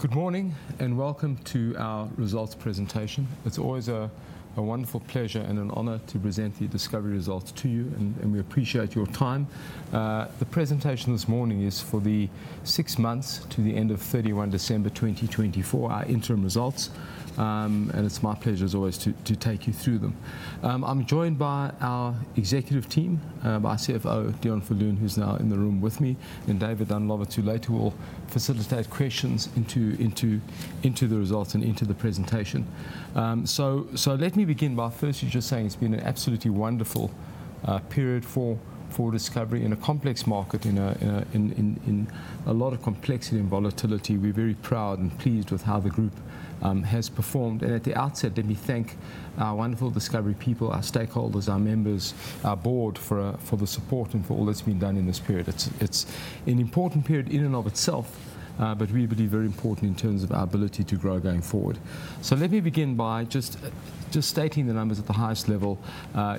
Good morning, and welcome to our results presentation. It's always a wonderful pleasure and an honor to present the Discovery results to you, and we appreciate your time. The presentation this morning is for the six months to the end of 31 December 2024, our interim results, and it's my pleasure, as always, to take you through them. I'm joined by our executive team, my CFO, Deon Viljoen, who's now in the room with me, and David Danilowitz, who later will facilitate questions into the results and into the presentation. So let me begin by firstly just saying it's been an absolutely wonderful period for Discovery in a complex market, in a lot of complexity and volatility. We're very proud and pleased with how the group has performed. At the outset, let me thank our wonderful Discovery people, our stakeholders, our members, our board, for the support and for all that's been done in this period. It's an important period in and of itself, but we believe very important in terms of our ability to grow going forward. Let me begin by just stating the numbers at the highest level.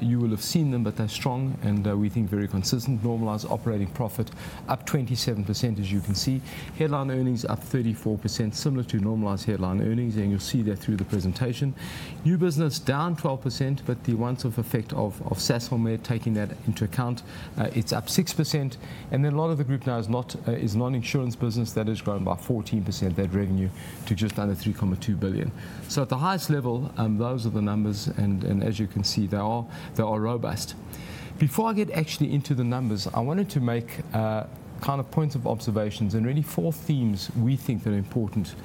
You will have seen them, but they're strong, and we think very consistent. Normalized operating profit up 27%, as you can see. Headline earnings up 34%, similar to normalized headline earnings, and you'll see that through the presentation. New business down 12%, but the one-off effect of Sasolmed, taking that into account, it's up 6%. A lot of the group now is non-insurance business. That has grown by 14%, that revenue to just under 3.2 billion. So at the highest level, those are the numbers, and as you can see, they are robust. Before I get actually into the numbers, I wanted to make kind of points of observations and really four themes we think that are important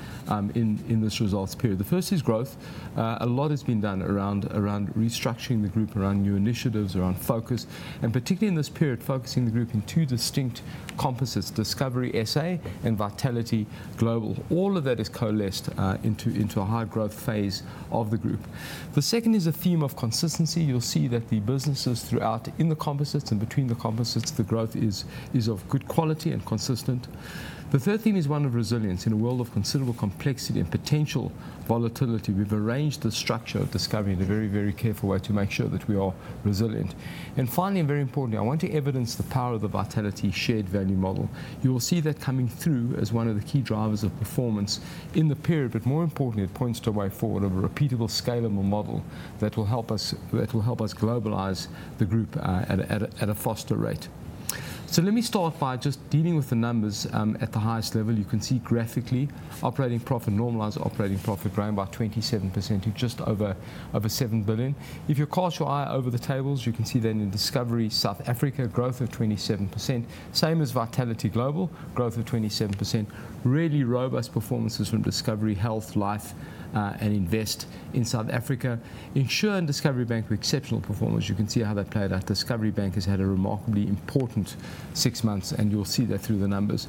in this results period. The first is growth. A lot has been done around restructuring the group, around new initiatives, around focus, and particularly in this period, focusing the group in two distinct composites: Discovery SA and Vitality Global. All of that is coalesced into a high growth phase of the group. The second is a theme of consistency. You'll see that the businesses throughout in the composites and between the composites, the growth is of good quality and consistent. The third theme is one of resilience in a world of considerable complexity and potential volatility. We've arranged the structure of Discovery in a very, very careful way to make sure that we are resilient, and finally, and very importantly, I want to evidence the power of the Vitality Shared Value Model. You will see that coming through as one of the key drivers of performance in the period, but more importantly, it points to a way forward of a repeatable, scalable model that will help us globalize the group at a faster rate, so let me start by just dealing with the numbers at the highest level. You can see graphically operating profit, normalized operating profit growing by 27% to just over 7 billion. If you cast your eye over the tables, you can see then in Discovery South Africa, growth of 27%, same as Vitality Global, growth of 27%, really robust performances from Discovery Health, Life, and Invest in South Africa. Insure and Discovery Bank were exceptional performers. You can see how they played out. Discovery Bank has had a remarkably important six months, and you'll see that through the numbers.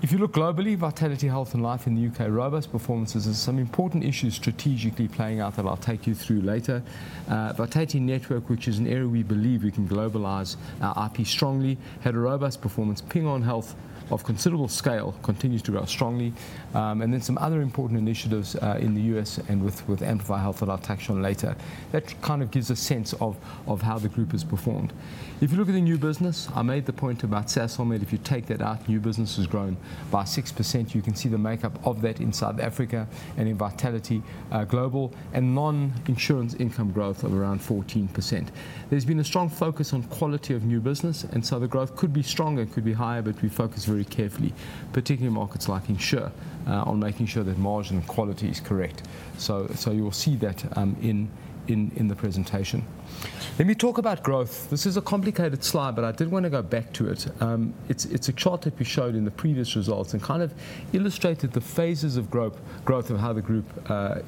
If you look globally, VitalityHealth and VitalityLife in the U.K., robust performances are some important issues strategically playing out that I'll take you through later. Vitality Network, which is an area we believe we can globalize our IP strongly, had a robust performance. Ping An Health of considerable scale continues to grow strongly. And then some other important initiatives in the U.S. and with Amplify Health that I'll touch on later. That kind of gives a sense of how the group has performed. If you look at the new business, I made the point about Sasolmed. If you take that out, new business has grown by 6%. You can see the makeup of that in South Africa and in Vitality Global and non-insurance income growth of around 14%. There's been a strong focus on quality of new business, and so the growth could be stronger, could be higher, but we focus very carefully, particularly in markets like Insure, on making sure that margin and quality is correct. So you will see that in the presentation. Let me talk about growth. This is a complicated slide, but I did want to go back to it. It's a chart that we showed in the previous results and kind of illustrated the phases of growth of how the group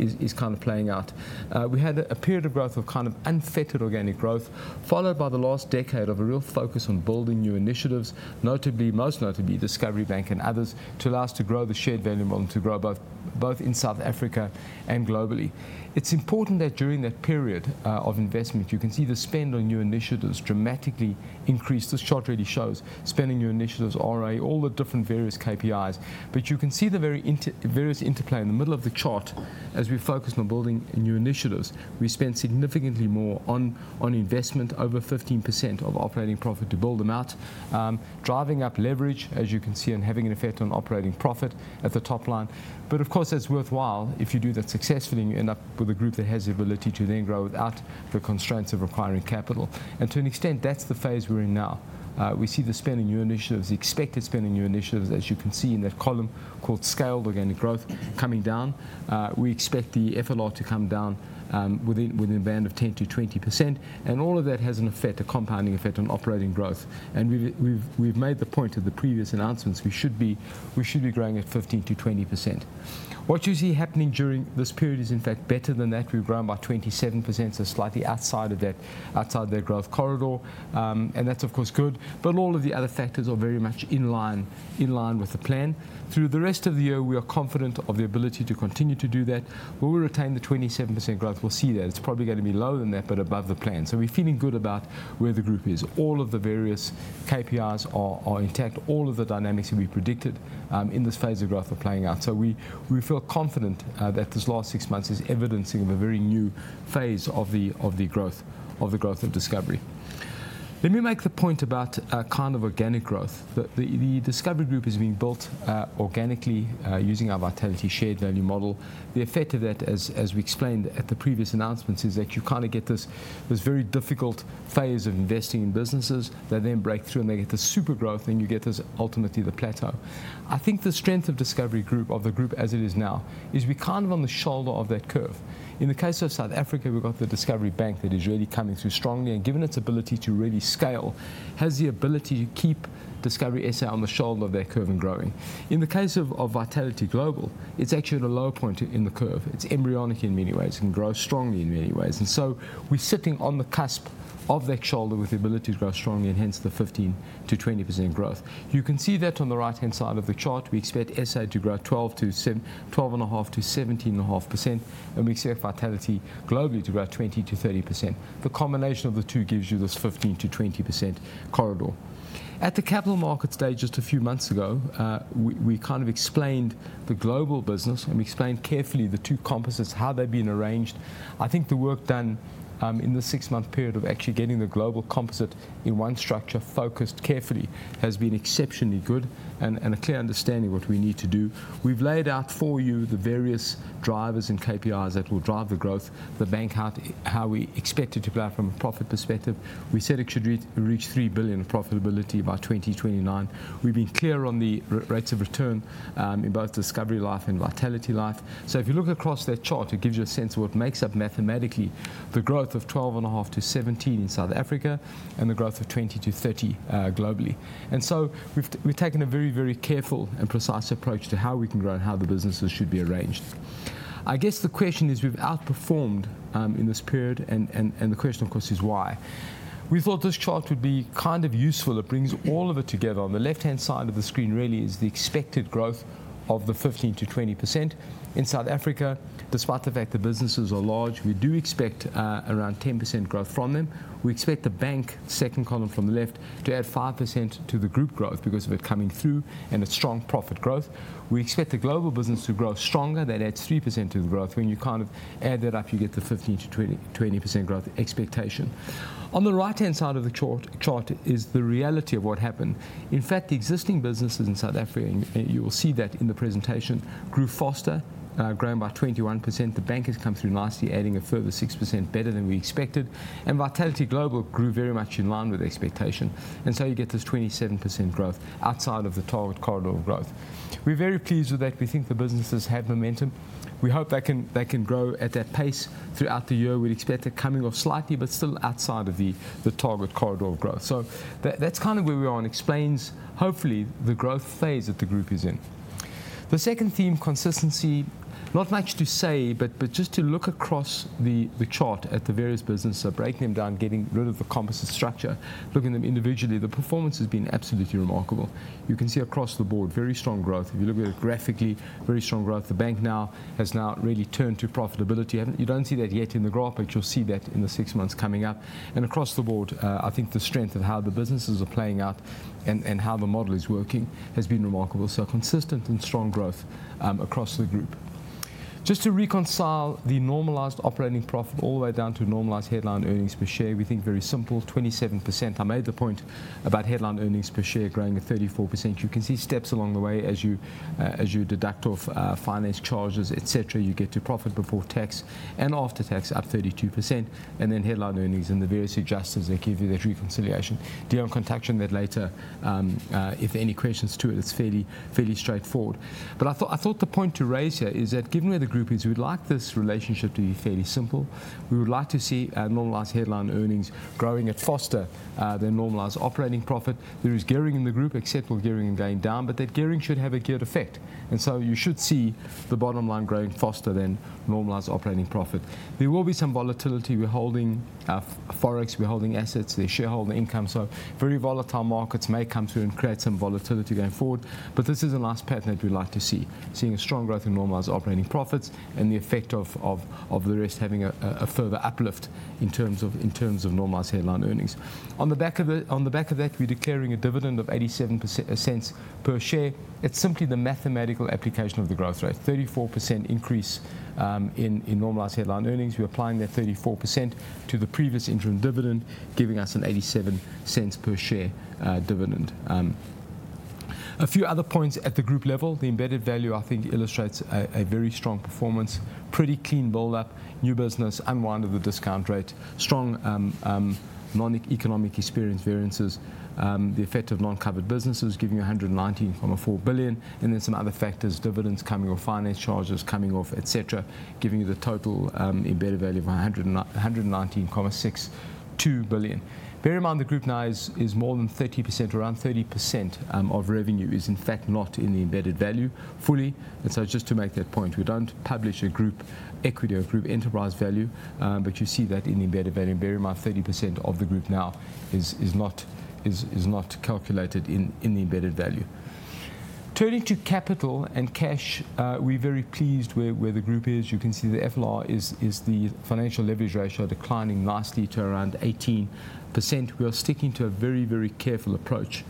is kind of playing out. We had a period of growth of kind of unfettered organic growth, followed by the last decade of a real focus on building new initiatives, most notably Discovery Bank and others to allow us to grow the shared value model and to grow both in South Africa and globally. It's important that during that period of investment, you can see the spend on new initiatives dramatically increased. This chart really shows spending new initiatives, RA, all the different various KPIs. But you can see the various interplay in the middle of the chart. As we focus on building new initiatives, we spend significantly more on investment, over 15% of operating profit to build them out, driving up leverage, as you can see, and having an effect on operating profit at the top line. But of course, that's worthwhile if you do that successfully and you end up with a group that has the ability to then grow without the constraints of requiring capital. And to an extent, that's the phase we're in now. We see the spending new initiatives, expected spending new initiatives, as you can see in that column called scaled organic growth coming down. We expect the FLR to come down within a band of 10%-20%. And all of that has an effect, a compounding effect on operating growth. And we've made the point at the previous announcements we should be growing at 15%-20%. What you see happening during this period is, in fact, better than that. We've grown by 27%, so slightly outside of that, outside of that growth corridor. And that's, of course, good. But all of the other factors are very much in line with the plan. Through the rest of the year, we are confident of the ability to continue to do that. Will we retain the 27% growth? We'll see that. It's probably going to be lower than that, but above the plan. So we're feeling good about where the group is. All of the various KPIs are intact. All of the dynamics that we predicted in this phase of growth are playing out. So we feel confident that this last six months is evidencing of a very new phase of the growth of Discovery. Let me make the point about kind of organic growth. The Discovery group is being built organically using our Vitality Shared Value Model. The effect of that, as we explained at the previous announcements, is that you kind of get this very difficult phase of investing in businesses. They then break through and they get this super growth, and you get this ultimately the plateau. I think the strength of Discovery Group, of the group as it is now, is we're kind of on the shoulder of that curve. In the case of South Africa, we've got the Discovery Bank that is really coming through strongly and given its ability to really scale, has the ability to keep Discovery SA on the shoulder of that curve and growing. In the case of Vitality Global, it's actually at a lower point in the curve. It's embryonic in many ways and grows strongly in many ways. And so we're sitting on the cusp of that shoulder with the ability to grow strongly and hence the 15%-20% growth. You can see that on the right-hand side of the chart. We expect SA to grow 12% to 12.5% to 17.5%, and we expect Vitality globally to grow 20%-30%. The combination of the two gives you this 15%-20% corridor. At the Capital Markets stage just a few months ago, we kind of explained the global business and we explained carefully the two composites, how they've been arranged. I think the work done in the six-month period of actually getting the global composite in one structure focused carefully has been exceptionally good and a clear understanding of what we need to do. We've laid out for you the various drivers and KPIs that will drive the growth, the bank, how we expect it to play out from a profit perspective. We said it should reach 3 billion of profitability by 2029. We've been clear on the rates of return in both Discovery Life and Vitality Life. So if you look across that chart, it gives you a sense of what makes up mathematically the growth of 12.5%-17% in South Africa and the growth of 20%-30% globally. And so we've taken a very, very careful and precise approach to how we can grow and how the businesses should be arranged. I guess the question is, we've outperformed in this period, and the question, of course, is why. We thought this chart would be kind of useful. It brings all of it together. On the left-hand side of the screen really is the expected growth of the 15%-20% in South Africa. Despite the fact that businesses are large, we do expect around 10% growth from them. We expect the bank, second column from the left, to add 5% to the group growth because of it coming through and its strong profit growth. We expect the global business to grow stronger. That adds 3% to the growth. When you kind of add that up, you get the 15%-20% growth expectation. On the right-hand side of the chart is the reality of what happened. In fact, the existing businesses in South Africa, and you will see that in the presentation, grew faster, growing by 21%. The bank has come through nicely, adding a further 6%, better than we expected, and Vitality Global grew very much in line with expectation. And so you get this 27% growth outside of the target corridor of growth. We're very pleased with that. We think the businesses have momentum. We hope they can grow at that pace throughout the year. We'd expect it coming off slightly, but still outside of the target corridor of growth. So that's kind of where we are and explains, hopefully, the growth phase that the group is in. The second theme, consistency, not much to say, but just to look across the chart at the various businesses, breaking them down, getting rid of the composite structure, looking at them individually, the performance has been absolutely remarkable. You can see across the board, very strong growth. If you look at it graphically, very strong growth. The bank now has really turned to profitability. You don't see that yet in the graph, but you'll see that in the six months coming up, and across the board, I think the strength of how the businesses are playing out and how the model is working has been remarkable, so consistent and strong growth across the group. Just to reconcile the normalized operating profit all the way down to normalized headline earnings per share, we think very simple, 27%. I made the point about headline earnings per share growing at 34%. You can see steps along the way as you deduct off finance charges, etc. You get to profit before tax and after tax at 32%, and then headline earnings and the various adjustments that give you that reconciliation. Deon, I'll touch on that later. If there are any questions to it, it's fairly straightforward. But I thought the point to raise here is that given where the group is, we'd like this relationship to be fairly simple. We would like to see normalized headline earnings growing at faster than normalized operating profit. There is gearing in the group, exceptional gearing and going down, but that gearing should have a geared effect. And so you should see the bottom line growing faster than normalized operating profit. There will be some volatility. We're holding forex, we're holding assets, they're shareholder income. So very volatile markets may come through and create some volatility going forward. But this is the last pattern that we'd like to see, seeing a strong growth in normalized operating profits and the effect of the rest having a further uplift in terms of normalized headline earnings. On the back of that, we're declaring a dividend of 87 cents per share. It's simply the mathematical application of the growth rate, 34% increase in normalized headline earnings. We're applying that 34% to the previous interim dividend, giving us an 87% per share dividend. A few other points at the group level. The embedded value, I think, illustrates a very strong performance, pretty clean build-up, new business, unwind of the discount rate, strong non-economic experience variances, the effect of non-covered businesses giving you 119.4 billion, and then some other factors, dividends coming off, finance charges coming off, etc., giving you the total embedded value of 119.62 billion. Bear in mind the group now is more than 30%, around 30% of revenue is in fact not in the embedded value fully. And so just to make that point, we don't publish a group equity or group enterprise value, but you see that in the embedded value. Bear in mind 30% of the group now is not calculated in the embedded value. Turning to capital and cash, we're very pleased where the group is. You can see the FLR is the financial leverage ratio declining nicely to around 18%. We are sticking to a very, very careful approach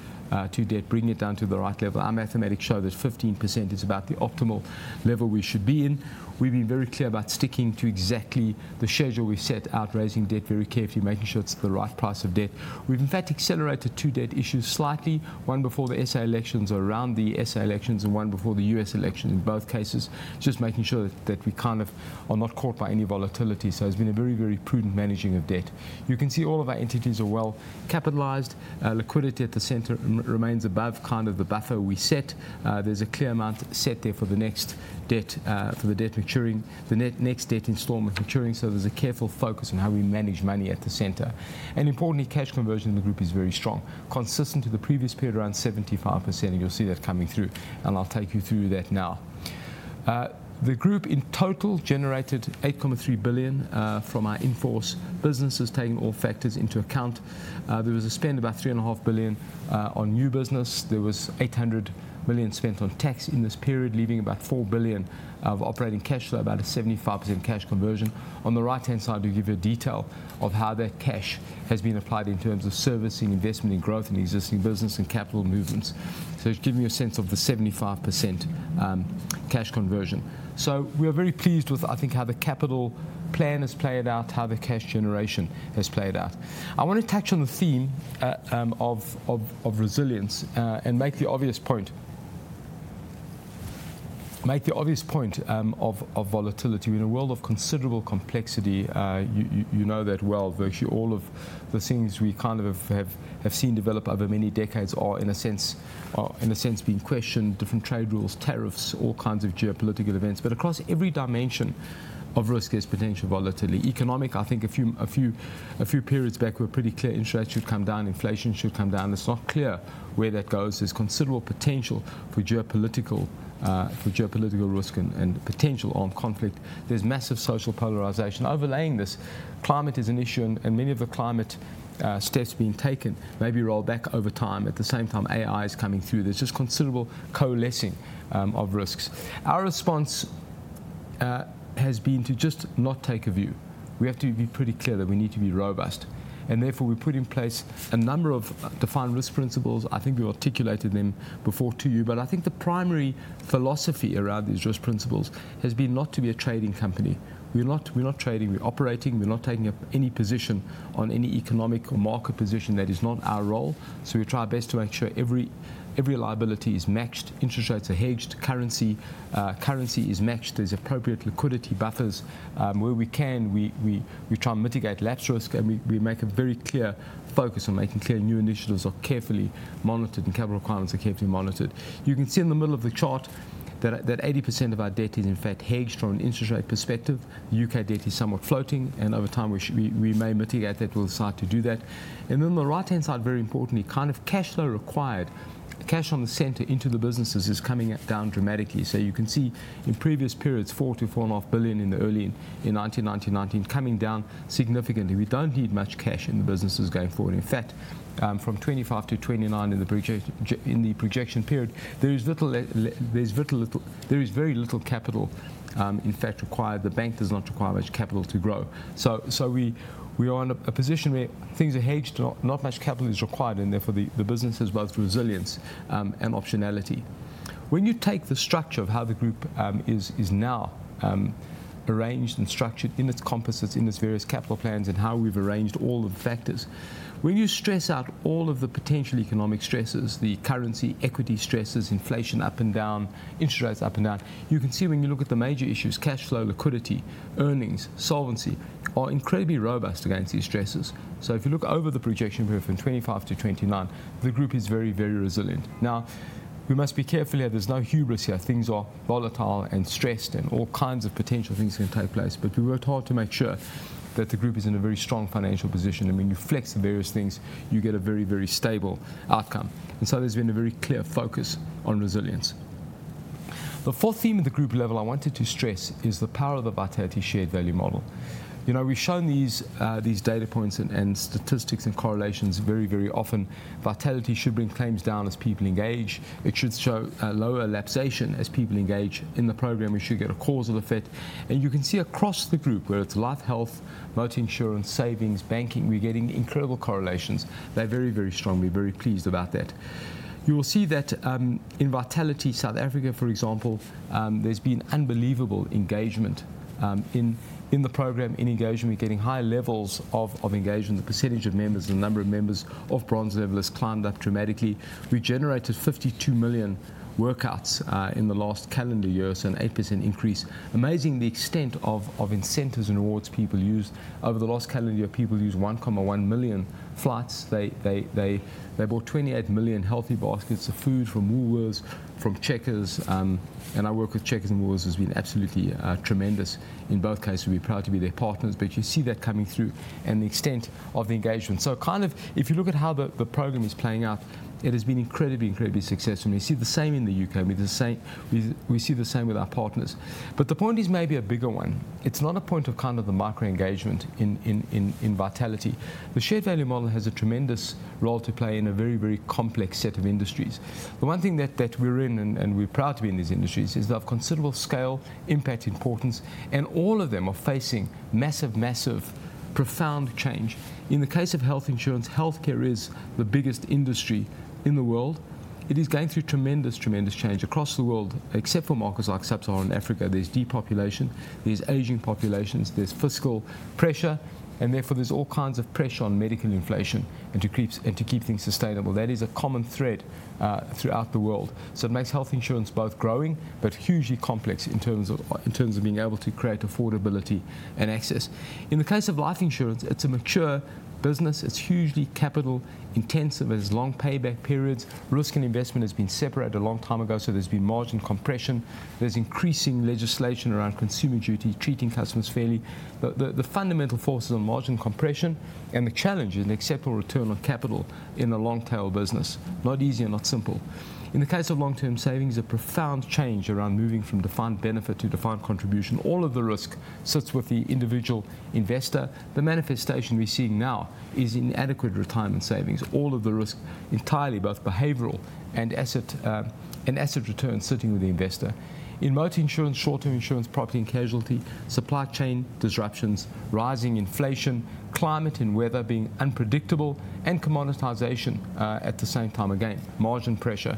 to debt, bringing it down to the right level. Our mathematics show that 15% is about the optimal level we should be in. We've been very clear about sticking to exactly the schedule we set out, raising debt very carefully, making sure it's the right price of debt. We've in fact accelerated two debt issues slightly, one before the SA elections or around the SA elections and one before the U.S. elections in both cases, just making sure that we kind of are not caught by any volatility. So it's been a very, very prudent managing of debt. You can see all of our entities are well capitalized. Liquidity at the center remains above kind of the buffer we set. There's a clear amount set there for the next debt, for the debt maturing, the next debt installment maturing. So there's a careful focus on how we manage money at the center. Importantly, cash conversion in the group is very strong, consistent to the previous period, around 75%. You'll see that coming through. I'll take you through that now. The group in total generated 8.3 billion from our in-force businesses, taking all factors into account. There was a spend of about 3.5 billion on new business. There was 800 million spent on tax in this period, leaving about 4 billion of operating cash flow, about a 75% cash conversion. On the right-hand side, we give you a detail of how that cash has been applied in terms of servicing, investment, and growth in existing business and capital movements. So it's giving you a sense of the 75% cash conversion. So we are very pleased with, I think, how the capital plan has played out, how the cash generation has played out. I want to touch on the theme of resilience and make the obvious point, make the obvious point of volatility. In a world of considerable complexity, you know that well, virtually all of the things we kind of have seen develop over many decades are, in a sense, being questioned, different trade rules, tariffs, all kinds of geopolitical events. But across every dimension of risk, there's potential volatility. Economic, I think a few periods back were pretty clear. Inflation should come down. Inflation should come down. It's not clear where that goes. There's considerable potential for geopolitical risk and potential armed conflict. There's massive social polarization overlaying this. Climate is an issue, and many of the climate steps being taken may be rolled back over time. At the same time, AI is coming through. There's just considerable coalescing of risks. Our response has been to just not take a view. We have to be pretty clear that we need to be robust. And therefore, we put in place a number of defined risk principles. I think we've articulated them before to you. But I think the primary philosophy around these risk principles has been not to be a trading company. We're not trading. We're operating. We're not taking up any position on any economic or market position. That is not our role. We try our best to make sure every liability is matched, interest rates are hedged, currency is matched. There's appropriate liquidity buffers. Where we can, we try and mitigate lapse risk, and we make a very clear focus on making sure new initiatives are carefully monitored and capital requirements are carefully monitored. You can see in the middle of the chart that 80% of our debt is in fact hedged from an interest rate perspective. The UK debt is somewhat floating, and over time we may mitigate that. We'll start to do that. Then the right-hand side, very importantly, kind of cash flow required, cash sent into the businesses is coming down dramatically. You can see in previous periods, 4-4.5 billion in the early 1990s coming down significantly. We don't need much cash in the businesses going forward. In fact, from 2025 to 2029 in the projection period, there is very little capital in fact required. The bank does not require much capital to grow. So we are in a position where things are hedged, not much capital is required, and therefore the business has both resilience and optionality. When you take the structure of how the group is now arranged and structured in its composites, in its various capital plans, and how we've arranged all of the factors, when you stress out all of the potential economic stresses, the currency, equity stresses, inflation up and down, interest rates up and down, you can see, when you look at the major issues, cash flow, liquidity, earnings, solvency are incredibly robust against these stresses. So if you look over the projection period from 2025 to 2029, the group is very, very resilient. Now, we must be careful here. There's no hubris here. Things are volatile and stressed, and all kinds of potential things can take place. But we work hard to make sure that the group is in a very strong financial position, and when you flex the various things, you get a very, very stable outcome, and so there's been a very clear focus on resilience. The fourth theme at the group level I wanted to stress is the power of the Vitality Shared Value Model. We've shown these data points and statistics and correlations very, very often. Vitality should bring claims down as people engage. It should show lower lapse rate as people engage in the program. We should get a causal effect, and you can see across the group, whether it's life, health, motor insurance, savings, banking, we're getting incredible correlations. They're very, very strong. We're very pleased about that. You will see that in Vitality South Africa, for example, there's been unbelievable engagement in the program, in engagement. We're getting high levels of engagement. The percentage of members, the number of members of Bronze Level has climbed up dramatically. We generated 52 million workouts in the last calendar year, so an 8% increase. Amazing, the extent of incentives and rewards people use. Over the last calendar year, people used 1.1 million flights. They bought 28 million healthy baskets of food from Woolworths, from Checkers, and I work with Checkers and Woolworths. It's been absolutely tremendous in both cases. We're proud to be their partners, but you see that coming through and the extent of the engagement. So kind of if you look at how the program is playing out, it has been incredibly, incredibly successful, and we see the same in the U.K. We see the same with our partners. But the point is maybe a bigger one. It's not a point of kind of the micro engagement in Vitality. The shared value model has a tremendous role to play in a very, very complex set of industries. The one thing that we're in and we're proud to be in these industries is they have considerable scale, impact, importance, and all of them are facing massive, massive, profound change. In the case of health insurance, healthcare is the biggest industry in the world. It is going through tremendous, tremendous change across the world, except for markets like Sub-Saharan Africa. There's depopulation, there's aging populations, there's fiscal pressure, and therefore there's all kinds of pressure on medical inflation and to keep things sustainable. That is a common thread throughout the world. So it makes health insurance both growing, but hugely complex in terms of being able to create affordability and access. In the case of life insurance, it's a mature business. It's hugely capital intensive. It has long payback periods. Risk and investment has been separated a long time ago. So there's been margin compression. There's increasing legislation around Consumer Duty, Treating Customers Fairly. The fundamental forces on margin compression and the challenge is an acceptable return on capital in a long-tail business. Not easy and not simple. In the case of long-term savings, a profound change around moving from defined benefit to defined contribution. All of the risk sits with the individual investor. The manifestation we're seeing now is inadequate retirement savings. All of the risk entirely, both behavioral and asset returns sitting with the investor. In motor insurance, short-term insurance, property and casualty, supply chain disruptions, rising inflation, climate and weather being unpredictable, and commoditization at the same time, again, margin pressure,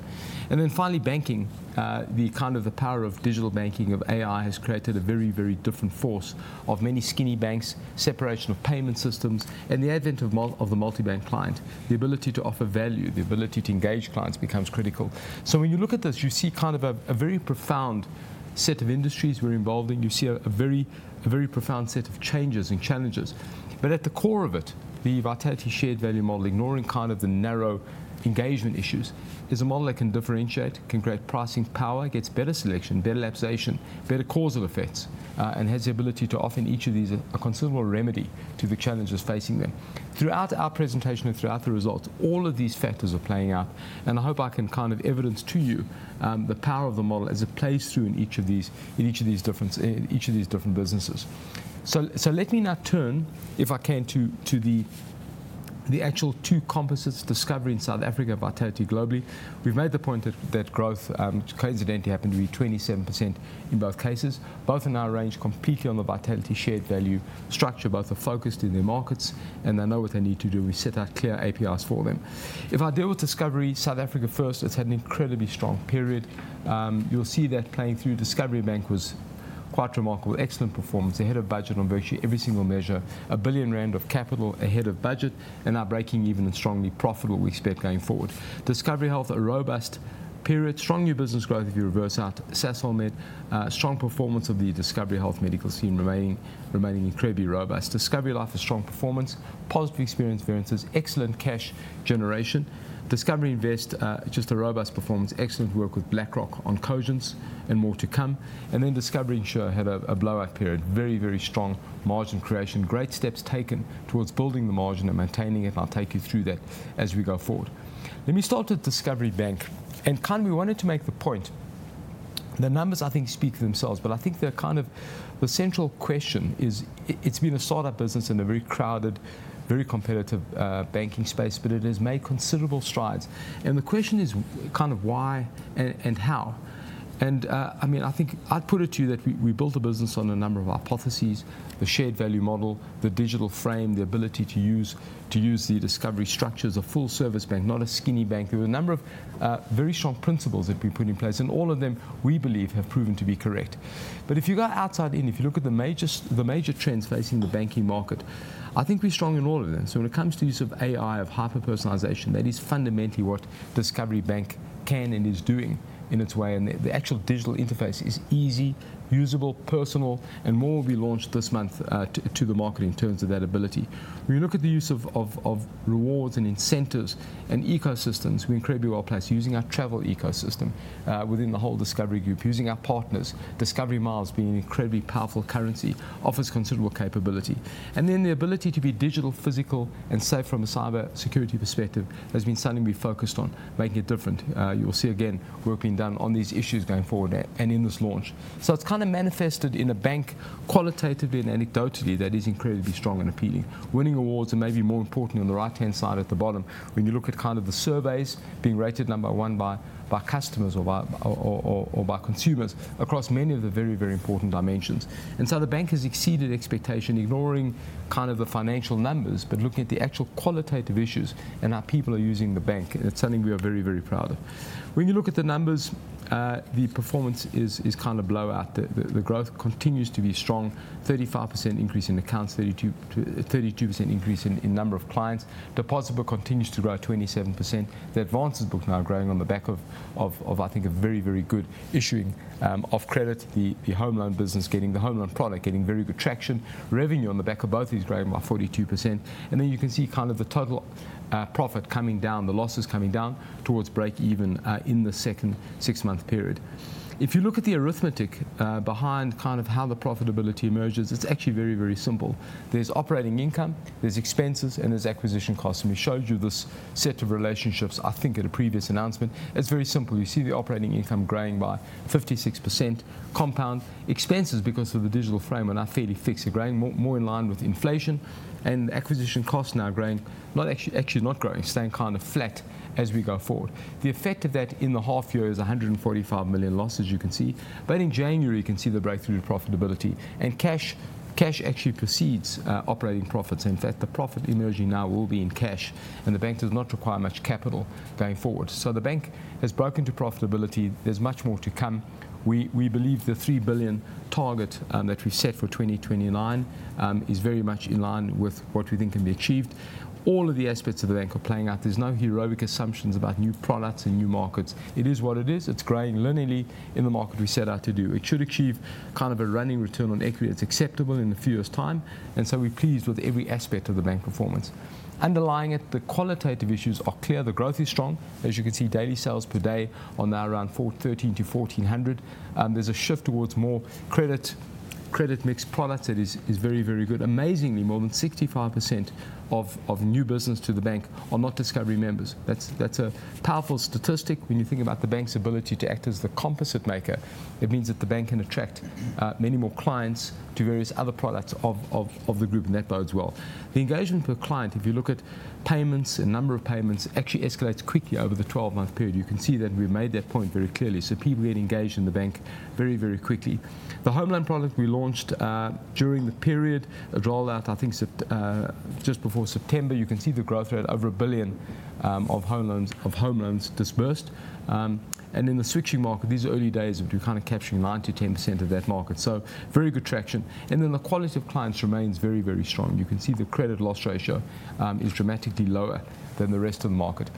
and then finally, banking, the kind of the power of digital banking of AI has created a very, very different force of many skinny banks, separation of payment systems, and the advent of the multi-bank client. The ability to offer value, the ability to engage clients becomes critical, so when you look at this, you see kind of a very profound set of industries we're involved in. You see a very profound set of changes and challenges. But at the core of it, the Vitality Shared Value Model, ignoring kind of the narrow engagement issues, is a model that can differentiate, can create pricing power, gets better selection, better elapsation, better causal effects, and has the ability to offer in each of these a considerable remedy to the challenges facing them. Throughout our presentation and throughout the results, all of these factors are playing out. And I hope I can kind of evidence to you the power of the model as it plays through in each of these different businesses. So let me now turn, if I can, to the actual two components Discovery in South Africa, Vitality globally. We've made the point that growth coincidentally happened to be 27% in both cases. Both are now arranged completely on the Vitality Shared Value structure. Both are focused in their markets, and they know what they need to do. We set out clear APRs for them. If I deal with Discovery, South Africa first, it's had an incredibly strong period. You'll see that playing through. Discovery Bank was quite remarkable, excellent performance, ahead of budget on virtually every single measure, 1 billion rand of capital ahead of budget, and now breaking even and strongly profitable, we expect going forward. Discovery Health, a robust period, strong new business growth if you reverse out Sasolmed, strong performance of the Discovery Health Medical Scheme remaining incredibly robust. Discovery Life has strong performance, positive experience variances, excellent cash generation. Discovery Invest, just a robust performance, excellent work with BlackRock on Cogence and more to come. Discovery Insure had a blowout period, very, very strong margin creation, great steps taken towards building the margin and maintaining it. I'll take you through that as we go forward. Let me start with Discovery Bank. Kind of we wanted to make the point, the numbers I think speak for themselves, but I think they're kind of the central question is it's been a startup business in a very crowded, very competitive banking space, but it has made considerable strides. The question is kind of why and how. I mean, I think I'd put it to you that we built a business on a number of hypotheses, the shared value model, the digital frame, the ability to use the Discovery structures of full service bank, not a skinny bank. There were a number of very strong principles that have been put in place, and all of them we believe have proven to be correct. But if you go outside in, if you look at the major trends facing the banking market, I think we're strong in all of them. So when it comes to the use of AI, of hyper-personalization, that is fundamentally what Discovery Bank can and is doing in its way. And the actual digital interface is easy, usable, personal, and more will be launched this month to the market in terms of that ability. When you look at the use of rewards and incentives and ecosystems, we're incredibly well placed using our travel ecosystem within the whole Discovery Group, using our partners. Discovery Miles being an incredibly powerful currency offers considerable capability. And then the ability to be digital, physical, and safe from a cyber security perspective has been something we've focused on, making it different. You will see again work being done on these issues going forward and in this launch. It's kind of manifested in a bank qualitatively and anecdotally that is incredibly strong and appealing, winning awards and maybe more importantly on the right-hand side at the bottom when you look at kind of the surveys being rated number one by customers or by consumers across many of the very, very important dimensions. The bank has exceeded expectation, ignoring kind of the financial numbers, but looking at the actual qualitative issues and how people are using the bank. It's something we are very, very proud of. When you look at the numbers, the performance is kind of blowout. The growth continues to be strong, 35% increase in accounts, 32% increase in number of clients. Deposits continue to grow at 27%. The advances book now growing on the back of, I think, a very, very good issuing of credit, the home loan business getting the home loan product getting very good traction. Revenue on the back of both is growing by 42%, and then you can see kind of the total profit coming down, the losses coming down towards break even in the second six-month period. If you look at the arithmetic behind kind of how the profitability emerges, it's actually very, very simple. There's operating income, there's expenses, and there's acquisition costs, and we showed you this set of relationships, I think, at a previous announcement. It's very simple. You see the operating income growing by 56%, compound expenses because of the digital frame are now fairly fixed, are growing more in line with inflation, and acquisition costs now, not actually growing, staying kind of flat as we go forward. The effect of that in the half year is 145 million loss, as you can see. But in January, you can see the breakthrough to profitability. And cash actually precedes operating profits. In fact, the profit emerging now will be in cash, and the bank does not require much capital going forward. So the bank has broken to profitability. There's much more to come. We believe the 3 billion target that we set for 2029 is very much in line with what we think can be achieved. All of the aspects of the bank are playing out. There's no heroic assumptions about new products and new markets. It is what it is. It's growing linearly in the market we set out to do. It should achieve kind of a running return on equity that's acceptable in a few years' time, and so we're pleased with every aspect of the bank performance. Underlying it, the qualitative issues are clear. The growth is strong. As you can see, daily sales per day are now around 1300-1400. There's a shift towards more credit mixed products that is very, very good. Amazingly, more than 65% of new business to the bank are not Discovery members. That's a powerful statistic. When you think about the bank's ability to act as the composite maker, it means that the bank can attract many more clients to various other products of the group, and that bodes well. The engagement per client, if you look at payments, the number of payments actually escalates quickly over the 12-month period. You can see that we made that point very clearly. So people get engaged in the bank very, very quickly. The home loan product we launched during the period of rollout, I think just before September. You can see the growth rate: over 1 billion of home loans disbursed. And in the switching market, these are early days of kind of capturing 9%-10% of that market. So very good traction. And then the quality of clients remains very, very strong. You can see the credit loss ratio is dramatically lower than the rest of the market.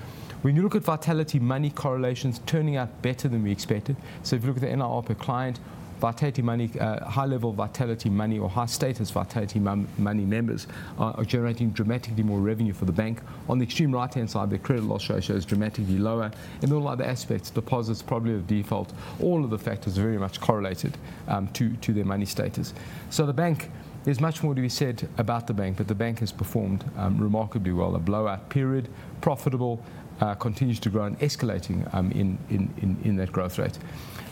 When you look at Vitality Money correlations turning out better than we expected. So if you look at the NIR per client, high-level Vitality Money or high-status Vitality Money members are generating dramatically more revenue for the bank. On the extreme right-hand side, the credit loss ratio is dramatically lower. In all other aspects, deposits probably have default. All of the factors are very much correlated to their Money status. So the bank, there's much more to be said about the bank, but the bank has performed remarkably well. A blowout period, profitable, continues to grow and escalating in that growth rate.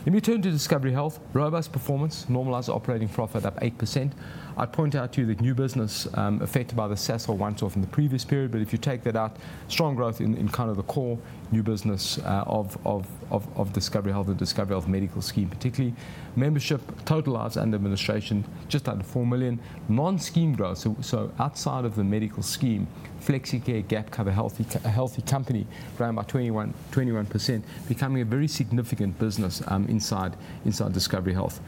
Let me turn to Discovery Health. Robust performance, normalized operating profit up 8%. I'd point out to you that new business affected by the Sasolmed from the previous period, but if you take that out, strong growth in kind of the core new business of Discovery Health and Discovery Health Medical Scheme, particularly membership, total lives under administration, just under four million. Non-scheme growth, so outside of the medical scheme, FlexiCare, Gap Cover, Healthy Company, growing by 21%, becoming a very significant business inside Discovery Health.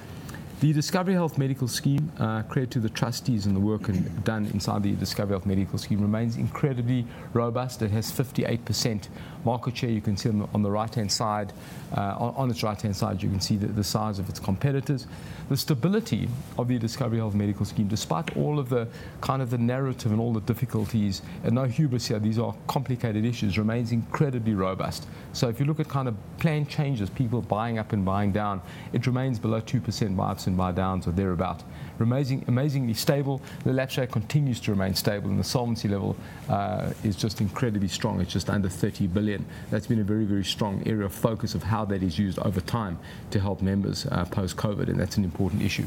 The Discovery Health Medical Scheme committed to the trustees and the work done inside the Discovery Health Medical Scheme remains incredibly robust. It has 58% market share. You can see on the right-hand side, on its right-hand side, you can see the size of its competitors. The stability of the Discovery Health Medical Scheme, despite all of the kind of the narrative and all the difficulties and no hubris here, these are complicated issues, remains incredibly robust. If you look at kind of planned changes, people buying up and buying down, it remains below 2% buy-ups and buy-downs or thereabout. Amazingly stable. The lab share continues to remain stable, and the solvency level is just incredibly strong. It's just under 30 billion. That's been a very, very strong area of focus of how that is used over time to help members post-COVID, and that's an important issue.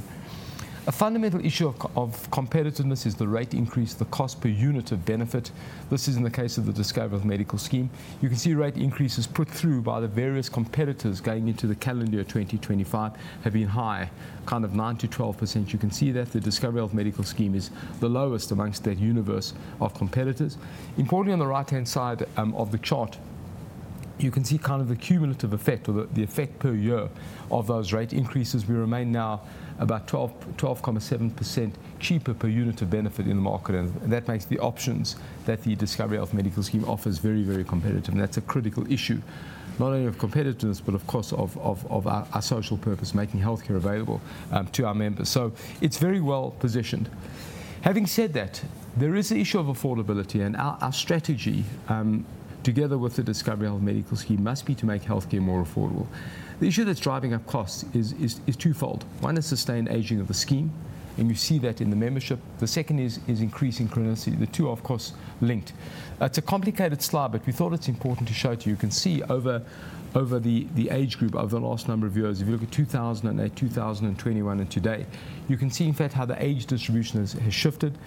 A fundamental issue of competitiveness is the rate increase, the cost per unit of benefit. This is in the case of the Discovery Health Medical Scheme. You can see rate increases put through by the various competitors going into the calendar of 2025 have been high, kind of 9%-12%. You can see that the Discovery Health Medical Scheme is the lowest amongst that universe of competitors. Importantly, on the right-hand side of the chart, you can see kind of the cumulative effect or the effect per year of those rate increases. We remain now about 12.7% cheaper per unit of benefit in the market, and that makes the options that the Discovery Health Medical Scheme offers very, very competitive, and that's a critical issue, not only of competitiveness, but of course of our social purpose, making healthcare available to our members, so it's very well positioned. Having said that, there is the issue of affordability, and our strategy together with the Discovery Health Medical Scheme must be to make healthcare more affordable. The issue that's driving up costs is twofold. One is sustained aging of the scheme, and you see that in the membership. The second is increasing chronicity. The two are, of course, linked. It's a complicated slide, but we thought it's important to show to you. You can see over the age group of the last number of years, if you look at 2008, 2021, and today, you can see in fact how the age distribution has shifted.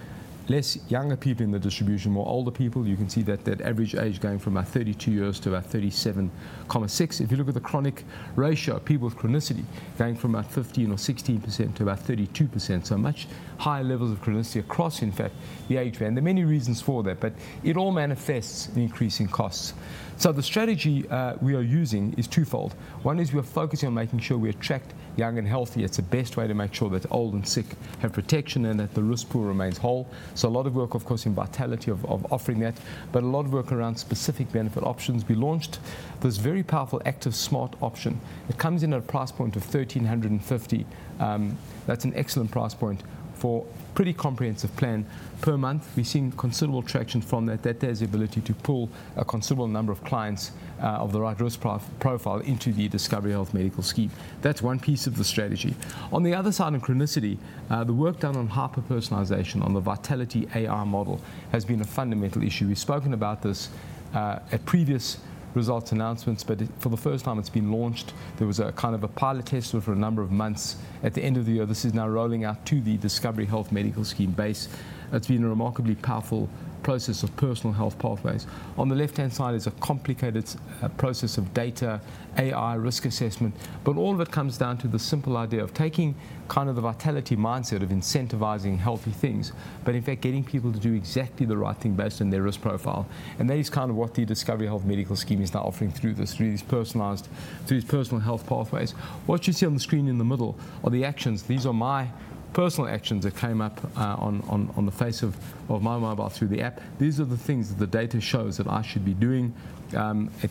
Less younger people in the distribution, more older people. You can see that the average age going from about 32 years to about 37.6. If you look at the chronic ratio of people with chronicity going from about 15 or 16% to about 32%, so much higher levels of chronicity across in fact the age band. There are many reasons for that, but it all manifests in increasing costs. So the strategy we are using is twofold. One is we are focusing on making sure we attract young and healthy. It's the best way to make sure that old and sick have protection and that the risk poor remains whole. So a lot of work, of course, in Vitality of offering that, but a lot of work around specific benefit options. We launched this very powerful Active Smart option. It comes in at a price point of 1,350. That's an excellent price point for a pretty comprehensive plan per month. We've seen considerable traction from that, that there's the ability to pull a considerable number of clients of the right risk profile into the Discovery Health Medical Scheme. That's one piece of the strategy. On the other side of chronicity, the work done on hyper-personalization on the Vitality AI model has been a fundamental issue. We've spoken about this at previous results announcements, but for the first time it's been launched. There was a kind of a pilot test over a number of months. At the end of the year, this is now rolling out to the Discovery Health Medical Scheme base. It's been a remarkably powerful process of Personal Health Pathways. On the left-hand side is a complicated process of data AI risk assessment, but all of it comes down to the simple idea of taking kind of the Vitality mindset of incentivizing healthy things, but in fact getting people to do exactly the right thing based on their risk profile, and that is kind of what the Discovery Health Medical Scheme is now offering through these personalized, through these Personal Health Pathways. What you see on the screen in the middle are the actions. These are my personal actions that came up on the face of my mobile through the app. These are the things that the data shows that I should be doing.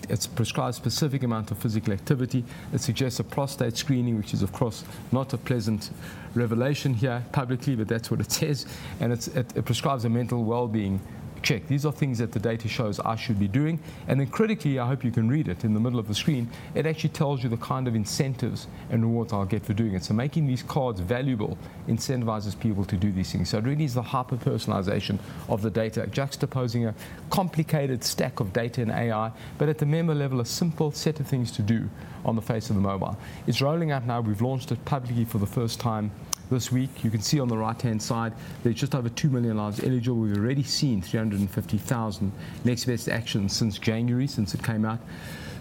It's prescribed a specific amount of physical activity. It suggests a prostate screening, which is of course not a pleasant revelation here publicly, but that's what it says. And it prescribes a mental well-being check. These are things that the data shows I should be doing. And then critically, I hope you can read it in the middle of the screen. It actually tells you the kind of incentives and rewards I'll get for doing it. So making these cards valuable incentivizes people to do these things. So it really is the hyper-personalization of the data, juxtaposing a complicated stack of data and AI, but at the member level, a simple set of things to do on the face of the mobile. It's rolling out now. We've launched it publicly for the first time this week. You can see on the right-hand side, there's just over 2 million lives eligible. We've already seen 350,000 Next Best Actions since January, since it came out.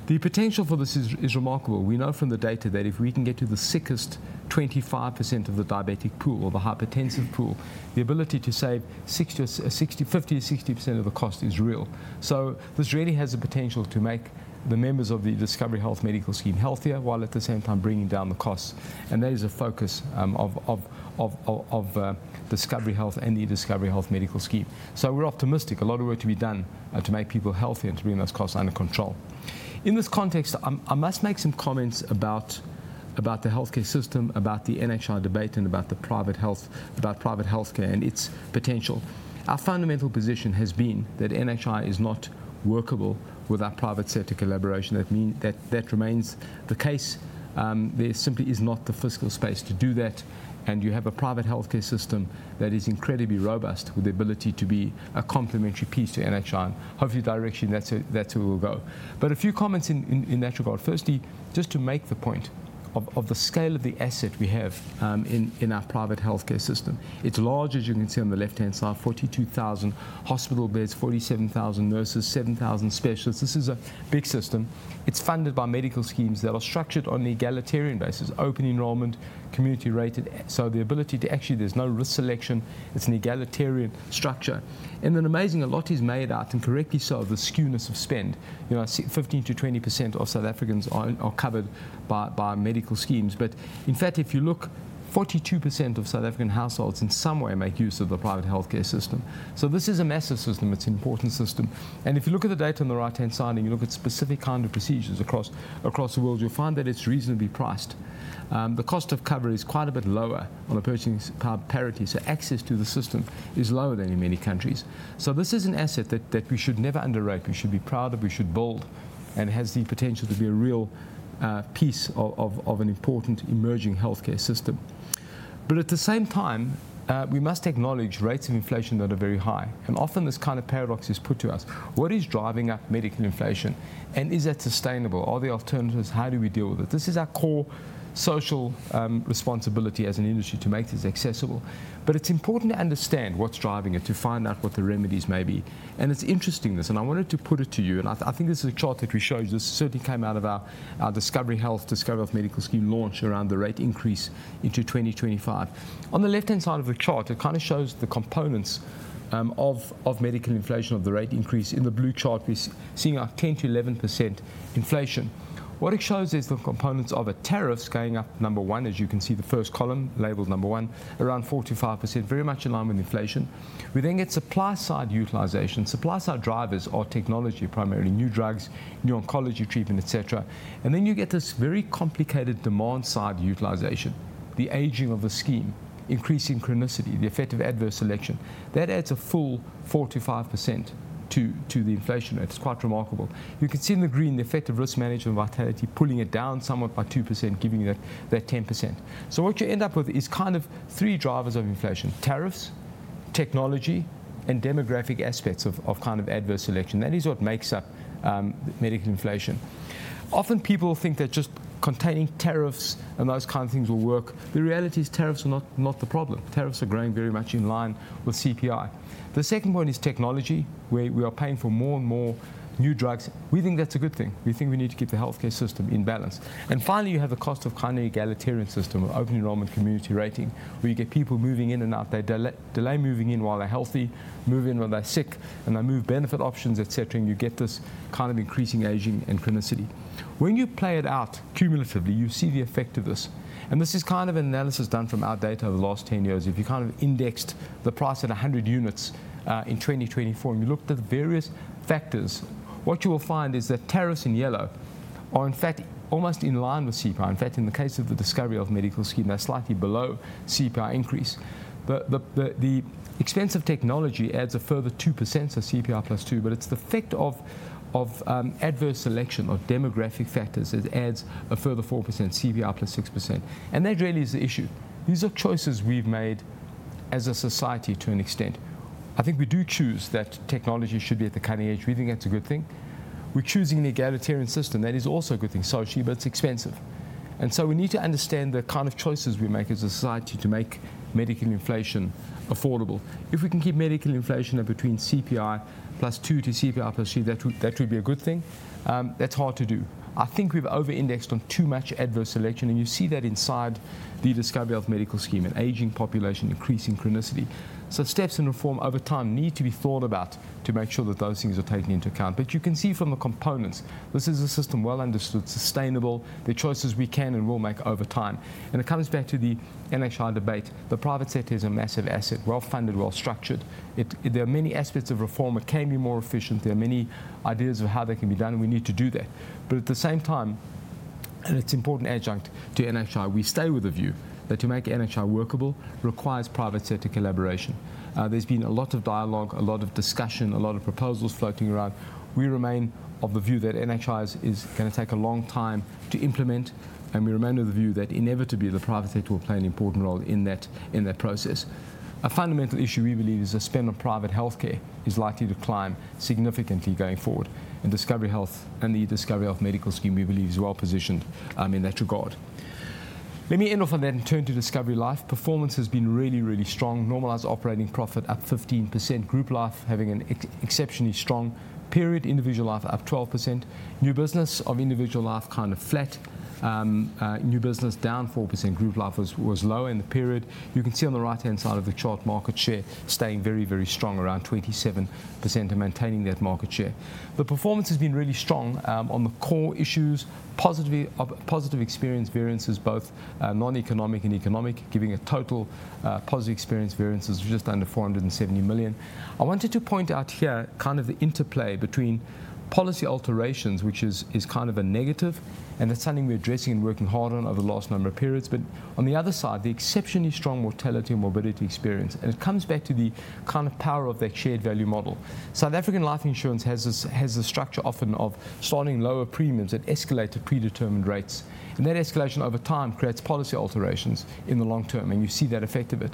The potential for this is remarkable. We know from the data that if we can get to the sickest 25% of the diabetic pool or the hypertensive pool, the ability to save 50%-60% of the cost is real. So this really has the potential to make the members of the Discovery Health Medical Scheme healthier while at the same time bringing down the costs. And that is a focus of Discovery Health and the Discovery Health Medical Scheme. So we're optimistic. A lot of work to be done to make people healthy and to bring those costs under control. In this context, I must make some comments about the healthcare system, about the NHI debate, and about the private health, about private healthcare and its potential. Our fundamental position has been that NHI is not workable without private sector collaboration. That remains the case. There simply is not the fiscal space to do that, and you have a private healthcare system that is incredibly robust with the ability to be a complementary piece to NHI. Hopefully, that direction, that's where we'll go, but a few comments in that regard. First, just to make the point of the scale of the asset we have in our private healthcare system. It's large, as you can see on the left-hand side, 42,000 hospital beds, 47,000 nurses, 7,000 specialists. This is a big system. It's funded by medical schemes that are structured on an egalitarian basis, open enrollment, community rated. So the ability to actually, there's no risk selection. It's an egalitarian structure. And then amazing, a lot is made out and correctly so of the skewness of spend. 15%-20% of South Africans are covered by medical schemes. But in fact, if you look, 42% of South African households in some way make use of the private healthcare system. So this is a massive system. It's an important system. And if you look at the data on the right-hand side and you look at specific kind of procedures across the world, you'll find that it's reasonably priced. The cost of cover is quite a bit lower on a purchasing power parity. So access to the system is lower than in many countries. So this is an asset that we should never underrate. We should be proud of. We should build. And it has the potential to be a real piece of an important emerging healthcare system. But at the same time, we must acknowledge rates of inflation that are very high. And often this kind of paradox is put to us. What is driving up medical inflation? And is that sustainable? Are there alternatives? How do we deal with it? This is our core social responsibility as an industry to make this accessible. But it's important to understand what's driving it to find out what the remedies may be. And it's interesting this. And I wanted to put it to you. And I think this is a chart that we showed you. This certainly came out of our Discovery Health, Discovery Health Medical Scheme launch around the rate increase into 2025. On the left-hand side of the chart, it kind of shows the components of medical inflation of the rate increase. In the blue chart, we're seeing a 10%-11% inflation. What it shows is the components of a tariffs going up, number one, as you can see the first column labeled number one, around 45%, very much in line with inflation. We then get supply side utilization. Supply side drivers are technology, primarily new drugs, new oncology treatment, etc. And then you get this very complicated demand side utilization, the aging of the scheme, increasing chronicity, the effect of adverse selection. That adds a full 45% to the inflation. It's quite remarkable. You can see in the green the effect of risk management Vitality pulling it down somewhat by 2%, giving that 10%. So what you end up with is kind of three drivers of inflation: tariffs, technology, and demographic aspects of kind of adverse selection. That is what makes up medical inflation. Often people think that just containing tariffs and those kind of things will work. The reality is tariffs are not the problem. Tariffs are going very much in line with CPI. The second point is technology, where we are paying for more and more new drugs. We think that's a good thing. We think we need to keep the healthcare system in balance. And finally, you have the cost of kind of egalitarian system, open enrollment, community rating, where you get people moving in and out. They delay moving in while they're healthy, move in when they're sick, and they move benefit options, etc. And you get this kind of increasing aging and chronicity. When you play it out cumulatively, you see the effect of this. This is kind of an analysis done from our data over the last 10 years. If you kind of indexed the price at 100 units in 2024 and you looked at various factors, what you will find is that tariffs in yellow are in fact almost in line with CPI. In fact, in the case of the Discovery Health Medical Scheme, they're slightly below CPI increase. The expense of technology adds a further 2%, so CPI plus 2, but it's the effect of adverse selection or demographic factors that adds a further 4%, CPI plus 6%. That really is the issue. These are choices we've made as a society to an extent. I think we do choose that technology should be at the cutting edge. We think that's a good thing. We're choosing an egalitarian system. That is also a good thing socially, but it's expensive, and so we need to understand the kind of choices we make as a society to make medical inflation affordable. If we can keep medical inflation between CPI plus two to CPI plus three, that would be a good thing. That's hard to do. I think we've over-indexed on too much adverse selection, and you see that inside the Discovery Health Medical Scheme: an aging population, increasing chronicity. So steps and reform over time need to be thought about to make sure that those things are taken into account, but you can see from the components this is a system well understood, sustainable. The choices we can and will make over time, and it comes back to the NHI debate. The private sector is a massive asset, well-funded, well-structured. There are many aspects of reform. It can be more efficient. There are many ideas of how they can be done. We need to do that. But at the same time, and it's an important adjunct to NHI, we stay with the view that to make NHI workable requires private sector collaboration. There's been a lot of dialogue, a lot of discussion, a lot of proposals floating around. We remain of the view that NHI is going to take a long time to implement. And we remain of the view that inevitably the private sector will play an important role in that process. A fundamental issue we believe is the spend on private healthcare is likely to climb significantly going forward. And Discovery Health and the Discovery Health Medical Scheme, we believe, is well positioned in that regard. Let me end off on that and turn to Discovery Life. Performance has been really, really strong. Normalized operating profit up 15%. Group Life having an exceptionally strong period. Individual Life up 12%. New Business of Individual Life kind of flat. New Business down 4%. Group Life was low in the period. You can see on the right-hand side of the chart, market share staying very, very strong, around 27% and maintaining that market share. The performance has been really strong on the core issues. Positive experience variances, both non-economic and economic, giving a total positive experience variances of just under 470 million. I wanted to point out here kind of the interplay between policy alterations, which is kind of a negative, and that's something we're addressing and working hard on over the last number of periods. But on the other side, the exceptionally strong mortality and morbidity experience. And it comes back to the kind of power of that shared value model. South African life insurance has a structure often of starting lower premiums that escalate to predetermined rates, and that escalation over time creates policy alterations in the long term, and you see that effect of it.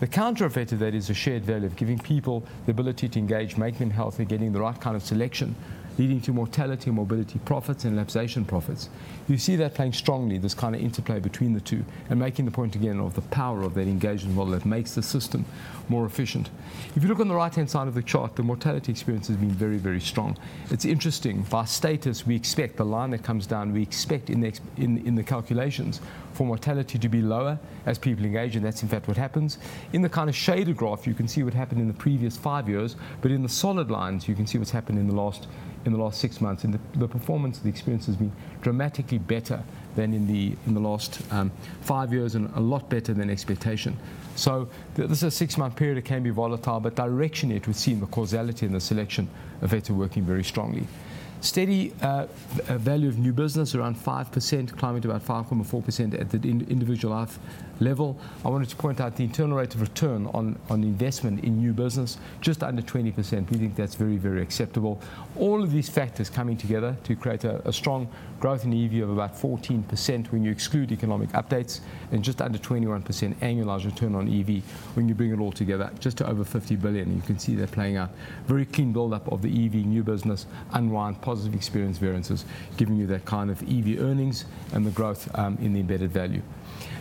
The counter effect of that is a shared value of giving people the ability to engage, make them healthy, getting the right kind of selection, leading to mortality and morbidity profits and lapse profits. You see that playing strongly, this kind of interplay between the two and making the point again of the power of that engagement model that makes the system more efficient. If you look on the right-hand side of the chart, the mortality experience has been very, very strong. It's interesting. By status, we expect the line that comes down, we expect in the calculations for mortality to be lower as people engage, and that's in fact what happens. In the kind of shaded graph, you can see what happened in the previous five years, but in the solid lines, you can see what's happened in the last six months, and the performance, the experience has been dramatically better than in the last five years and a lot better than expectation, so this is a six-month period. It can be volatile, but directionally, we've seen the causality and the selection effects are working very strongly. Steady value of new business, around 5%, climbing to about 5.4% at the individual life level. I wanted to point out the internal rate of return on investment in new business, just under 20%. We think that's very, very acceptable. All of these factors coming together to create a strong growth in EV of about 14% when you exclude economic updates and just under 21% annualized return on EV when you bring it all together, just over 50 billion. And you can see that playing out. Very clean buildup of the EV new business, unwind, positive experience variances, giving you that kind of EV earnings and the growth in the embedded value.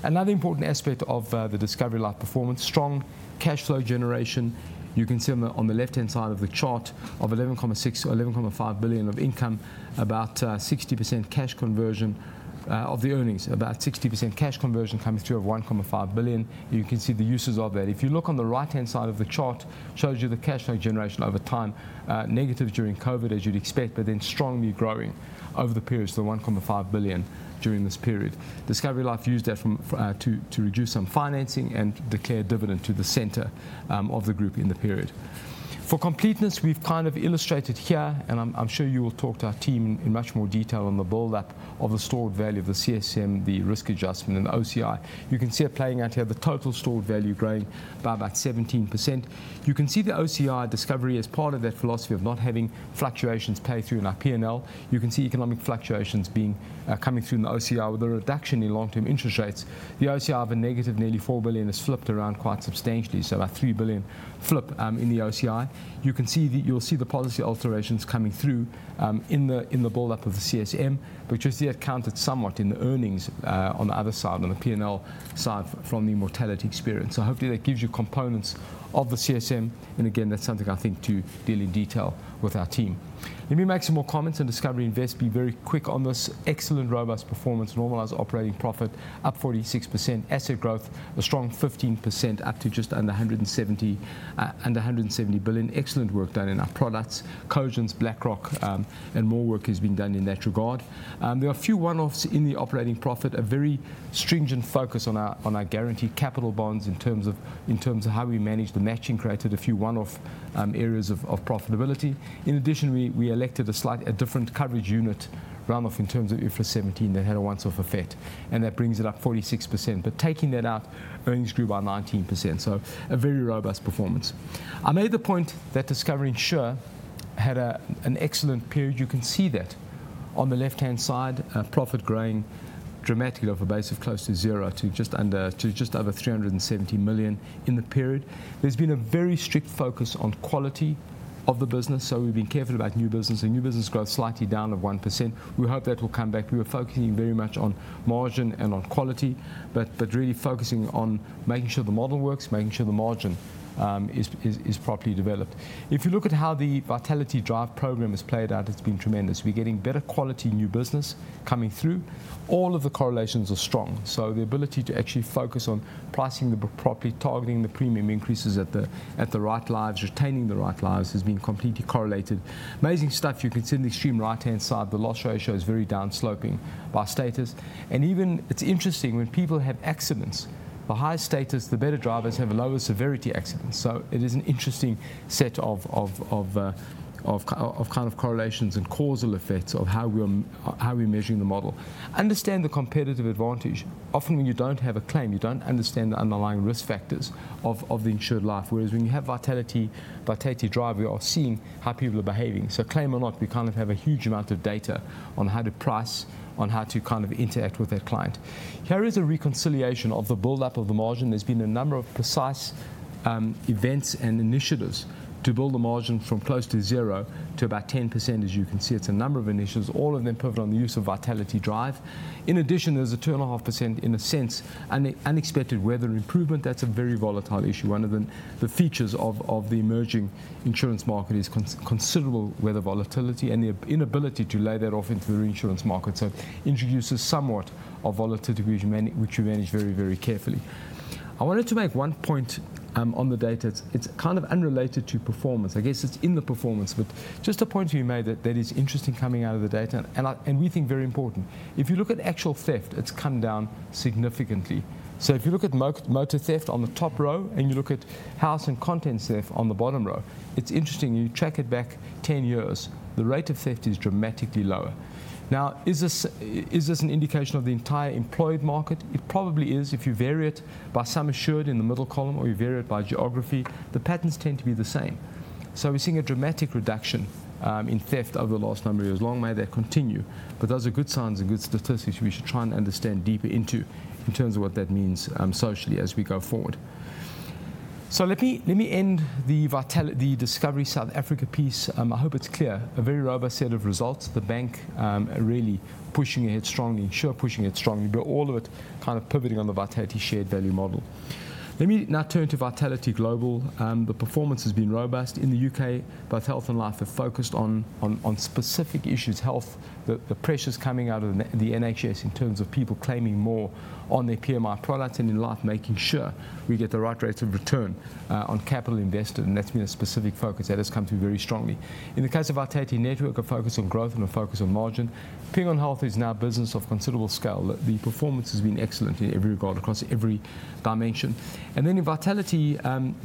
Another important aspect of the Discovery Life performance, strong cash flow generation. You can see on the left-hand side of the chart of 11.6 billion, 11.5 billion of income, about 60% cash conversion of the earnings, about 60% cash conversion coming through of 1.5 billion. You can see the uses of that. If you look on the right-hand side of the chart, it shows you the cash flow generation over time, negative during COVID, as you'd expect, but then strongly growing over the period, so 1.5 billion during this period. Discovery Life used that to reduce some financing and declare dividend to the center of the group in the period. For completeness, we've kind of illustrated here, and I'm sure you will talk to our team in much more detail on the buildup of the stored value of the CSM, the risk adjustment, and the OCI. You can see it playing out here, the total stored value growing by about 17%. You can see the OCI Discovery as part of that philosophy of not having fluctuations pay through in our P&L. You can see economic fluctuations coming through in the OCI with a reduction in long-term interest rates. The OCI of a negative nearly 4 billion has flipped around quite substantially, so about 3 billion flip in the OCI. You can see that you'll see the policy alterations coming through in the buildup of the CSM, which has yet counted somewhat in the earnings on the other side, on the P&L side from the mortality experience. Hopefully that gives you components of the CSM. Again, that's something I think to deal in detail with our team. Let me make some more comments on Discovery Invest. Be very quick on this. Excellent robust performance, normalized operating profit up 46%, asset growth a strong 15% up to just under 170 billion. Excellent work done in our products, Cogence, BlackRock, and more work has been done in that regard. There are a few one-offs in the operating profit. A very stringent focus on our guaranteed capital bonds in terms of how we manage the matching created a few one-off areas of profitability. In addition, we elected a slightly different coverage unit runoff in terms of IFRS 17 that had a one-off effect, and that brings it up 46%, but taking that out, earnings grew by 19%, so a very robust performance. I made the point that Discovery Insure had an excellent period. You can see that on the left-hand side, profit growing dramatically off a base of close to zero to just under 370 million in the period. There's been a very strict focus on quality of the business, so we've been careful about new business, and new business growth slightly down of 1%. We hope that will come back. We were focusing very much on margin and on quality, but really focusing on making sure the model works, making sure the margin is properly developed. If you look at how the Vitality Drive program has played out, it's been tremendous. We're getting better quality new business coming through. All of the correlations are strong. So the ability to actually focus on pricing it properly, targeting the premium increases at the right lives, retaining the right lives has been completely correlated. Amazing stuff. You can see in the extreme right-hand side, the loss ratio is very downsloping by status, and even it's interesting when people have accidents, the higher status, the better drivers have lower severity accidents. So it is an interesting set of kind of correlations and causal effects of how we're measuring the model. Understand the competitive advantage. Often when you don't have a claim, you don't understand the underlying risk factors of the insured life. Whereas when you have Vitality, Vitality Drive, we are seeing how people are behaving. So claim or not, we kind of have a huge amount of data on how to price, on how to kind of interact with that client. Here is a reconciliation of the buildup of the margin. There's been a number of pricing events and initiatives to build the margin from close to zero to about 10%. As you can see, it's a number of initiatives, all of them pivot on the use of Vitality Drive. In addition, there's a 2.5% in a sense unexpected weather improvement. That's a very volatile issue. One of the features of the emerging insurance market is considerable weather volatility and the inability to lay that off into the reinsurance market. So it introduces somewhat of volatility, which we manage very, very carefully. I wanted to make one point on the data. It's kind of unrelated to performance. I guess it's in the performance, but just a point to be made that is interesting coming out of the data and we think very important. If you look at actual theft, it's come down significantly. So if you look at motor theft on the top row and you look at house and contents theft on the bottom row, it's interesting. You track it back 10 years. The rate of theft is dramatically lower. Now, is this an indication of the entire employed market? It probably is. If you vary it by sum assured in the middle column or you vary it by geography, the patterns tend to be the same. So we're seeing a dramatic reduction in theft over the last number of years. Long may that continue, but those are good signs and good statistics we should try and understand deeper into in terms of what that means socially as we go forward. So let me end the Discovery South Africa piece. I hope it's clear. A very robust set of results. The bank really pushing ahead strongly, Insure pushing ahead strongly, but all of it kind of pivoting on the Vitality Shared Value Model. Let me now turn to Vitality Global. The performance has been robust in the U.K., both health and life have focused on specific issues, health, the pressures coming out of the NHS in terms of people claiming more on their PMI products and in life making sure we get the right rates of return on capital invested. And that's been a specific focus that has come through very strongly. In the case of Vitality Network, a focus on growth and a focus on margin. Ping An Health is now business of considerable scale. The performance has been excellent in every regard across every dimension. And then in Vitality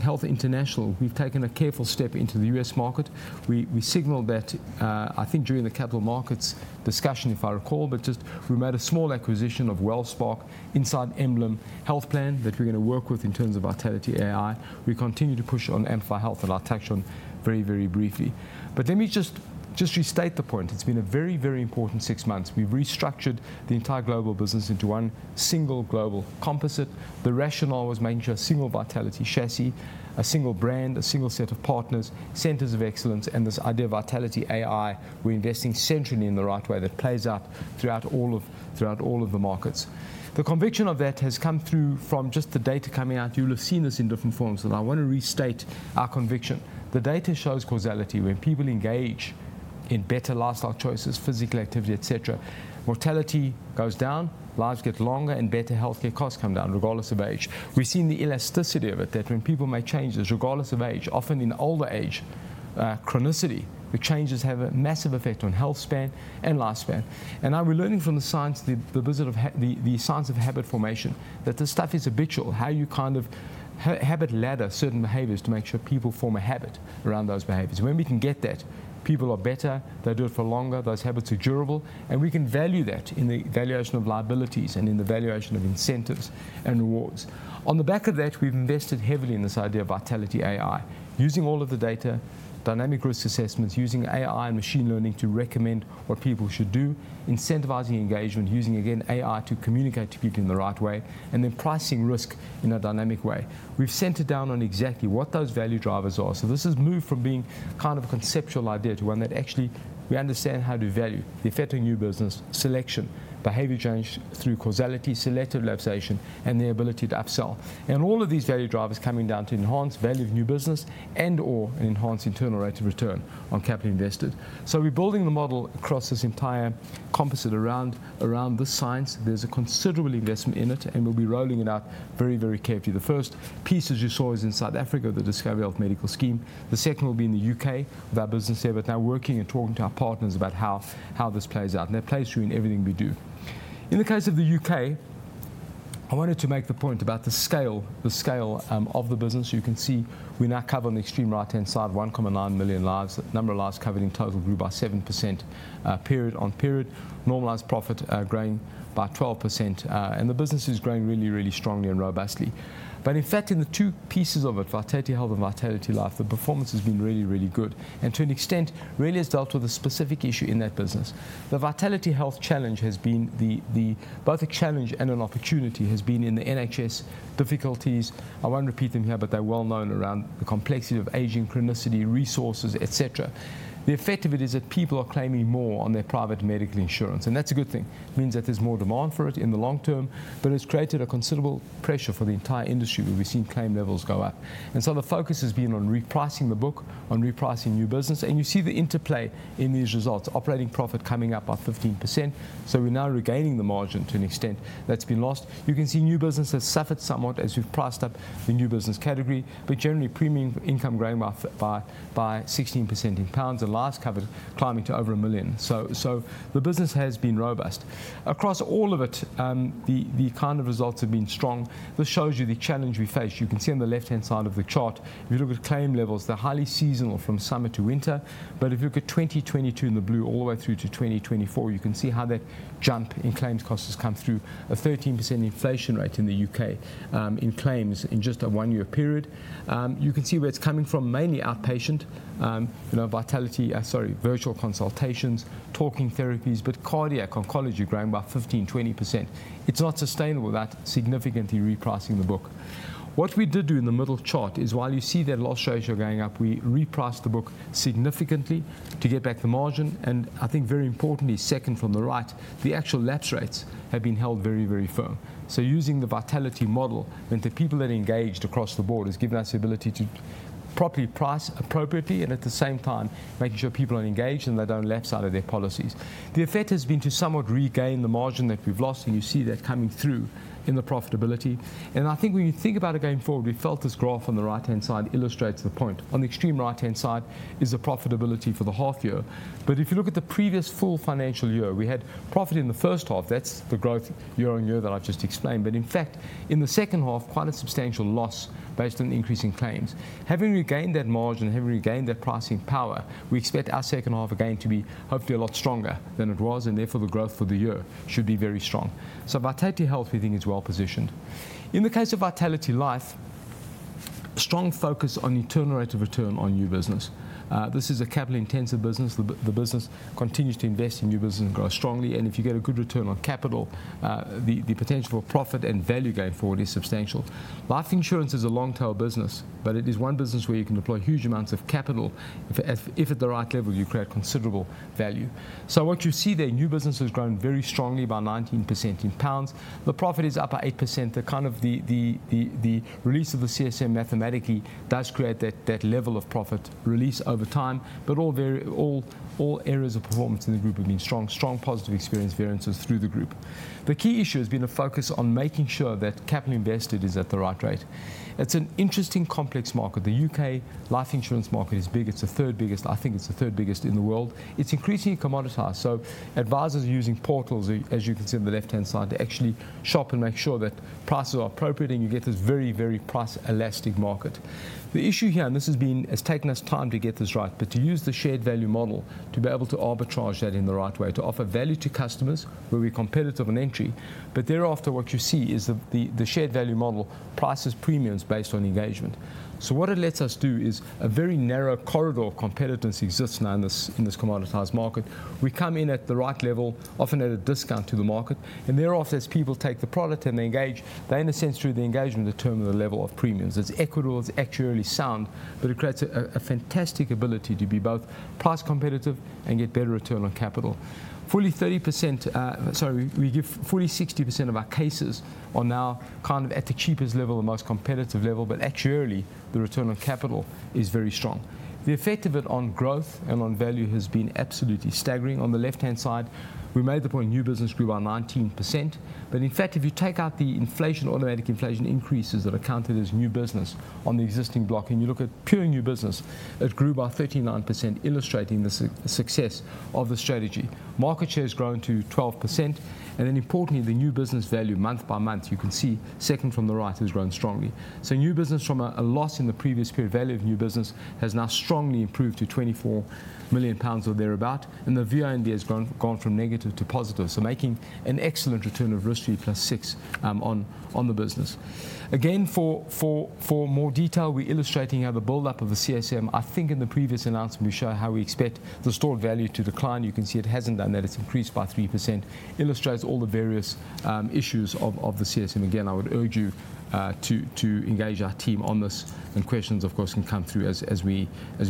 Health International, we've taken a careful step into the U.S. market. We signaled that, I think, during the capital markets discussion, if I recall, but just we made a small acquisition of WellSpark Health inside EmblemHealth that we're going to work with in terms of Vitality AI. We continue to push on Amplify Health and our touch on very, very briefly. But let me just restate the point. It's been a very, very important six months. We've restructured the entire global business into one single global composite. The rationale was making sure a single Vitality chassis, a single brand, a single set of partners, centers of excellence, and this idea of Vitality AI, we're investing centrally in the right way that plays out throughout all of the markets. The conviction of that has come through from just the data coming out. You'll have seen this in different forms. And I want to restate our conviction. The data shows causality. When people engage in better lifestyle choices, physical activity, etc., mortality goes down, lives get longer, and better healthcare costs come down regardless of age. We've seen the elasticity of it that when people make changes, regardless of age, often in older age, chronicity, the changes have a massive effect on health span and lifespan. We're learning from the science, the science of habit formation, that this stuff is habitual, how you kind of habit ladder certain behaviors to make sure people form a habit around those behaviors. When we can get that, people are better, they do it for longer, those habits are durable, and we can value that in the valuation of liabilities and in the valuation of incentives and rewards. On the back of that, we've invested heavily in this idea of Vitality AI, using all of the data, dynamic risk assessments, using AI and machine learning to recommend what people should do, incentivizing engagement, using, again, AI to communicate to people in the right way, and then pricing risk in a dynamic way. We've centered down on exactly what those value drivers are. So this has moved from being kind of a conceptual idea to one that actually we understand how to value the effect on new business selection, behavior change through causality, selective lapse, and the ability to upsell. And all of these value drivers coming down to enhance value of new business and/or enhance internal rate of return on capital invested. So we're building the model across this entire composite around this science. There's a considerable investment in it, and we'll be rolling it out very, very carefully. The first piece, as you saw, is in South Africa, the Discovery Health Medical Scheme. The second will be in the U.K. with our business here, but now working and talking to our partners about how this plays out. And that plays through in everything we do. In the case of the U.K., I wanted to make the point about the scale of the business. You can see we now cover on the extreme right-hand side, 1.9 million lives, number of lives covered in total grew by 7% period on period, normalized profit growing by 12%. And the business is growing really, really strongly and robustly. But in fact, in the two pieces of it, Vitality Health and Vitality Life, the performance has been really, really good. And to an extent, really has dealt with a specific issue in that business. The Vitality Health challenge has been both a challenge and an opportunity has been in the NHS difficulties. I won't repeat them here, but they're well known around the complexity of aging, chronicity, resources, etc. The effect of it is that people are claiming more on their private medical insurance. And that's a good thing. It means that there's more demand for it in the long term, but it's created a considerable pressure for the entire industry where we've seen claim levels go up. And so the focus has been on repricing the book, on repricing new business. And you see the interplay in these results. Operating profit coming up by 15%. So we're now regaining the margin to an extent that's been lost. You can see new business has suffered somewhat as we've priced up the new business category, but generally premium income growing by 16% in pounds and lives covered climbing to over a million. So the business has been robust. Across all of it, the kind of results have been strong. This shows you the challenge we face. You can see on the left-hand side of the chart, if you look at claim levels, they're highly seasonal from summer to winter. But if you look at 2022 in the blue all the way through to 2024, you can see how that jump in claims costs has come through a 13% inflation rate in the U.K. in claims in just a one-year period. You can see where it's coming from, mainly outpatient, vitality, sorry, virtual consultations, talking therapies, but cardiac oncology growing by 15%-20%. It's not sustainable, that significantly repricing the book. What we did do in the middle chart is while you see that loss ratio going up, we repriced the book significantly to get back the margin. And I think very importantly, second from the right, the actual lapse rates have been held very, very firm. So using the Vitality model and the people that are engaged across the board has given us the ability to properly price appropriately and at the same time making sure people are engaged and they don't lapse out of their policies. The effect has been to somewhat regain the margin that we've lost, and you see that coming through in the profitability. And I think when you think about it going forward, we felt this graph on the right-hand side illustrates the point. On the extreme right-hand side is the profitability for the half year. But if you look at the previous full financial year, we had profit in the first half. That's the growth year on year that I've just explained. But in fact, in the second half, quite a substantial loss based on increasing claims. Having regained that margin and having regained that pricing power, we expect our second half again to be hopefully a lot stronger than it was, and therefore the growth for the year should be very strong, so Vitality Health, we think, is well positioned. In the case of Vitality Life, strong focus on internal rate of return on new business. This is a capital-intensive business. The business continues to invest in new business and grow strongly, and if you get a good return on capital, the potential for profit and value going forward is substantial. Life insurance is a long-tail business, but it is one business where you can deploy huge amounts of capital if at the right level, you create considerable value, so what you see there, new business has grown very strongly by 19% in pounds. The profit is up by 8%. The kind of the release of the CSM mathematically does create that level of profit release over time, but all areas of performance in the group have been strong, strong positive experience variances through the group. The key issue has been a focus on making sure that capital invested is at the right rate. It's an interesting complex market. The U.K. life insurance market is big. It's the third biggest. I think it's the third biggest in the world. It's increasingly commoditized. So advisors are using portals, as you can see on the left-hand side, to actually shop and make sure that prices are appropriate and you get this very, very price elastic market. The issue here, and this has taken us time to get this right, but to use the shared value model to be able to arbitrage that in the right way, to offer value to customers where we're competitive on entry, but thereafter, what you see is the shared value model prices premiums based on engagement, so what it lets us do is a very narrow corridor of competitors exists now in this commoditized market. We come in at the right level, often at a discount to the market, and thereafter, as people take the product and they engage, they in a sense, through the engagement, determine the term of the level of premiums. It's equitable, it's actually sound, but it creates a fantastic ability to be both price competitive and get better return on capital. Fully 30%, sorry, we give fully 60% of our cases are now kind of at the cheapest level, the most competitive level, but actually the return on capital is very strong. The effect of it on growth and on value has been absolutely staggering. On the left-hand side, we made the point new business grew by 19%. But in fact, if you take out the inflation, automatic inflation increases that accounted as new business on the existing block, and you look at pure new business, it grew by 39%, illustrating the success of the strategy. Market share has grown to 12%. And then importantly, the new business value month by month, you can see second from the right has grown strongly. So new business from a loss in the previous period, value of new business has now strongly improved to 24 million pounds or thereabout. The VNB has gone from negative to positive, so making an excellent return on risk plus 6 on the business. Again, for more detail, we're illustrating how the build-up of the CSM. I think in the previous announcement, we show how we expect the stored value to decline. You can see it hasn't done that. It's increased by 3%, illustrates all the various issues of the CSM. Again, I would urge you to engage our team on this. Questions, of course, can come through as we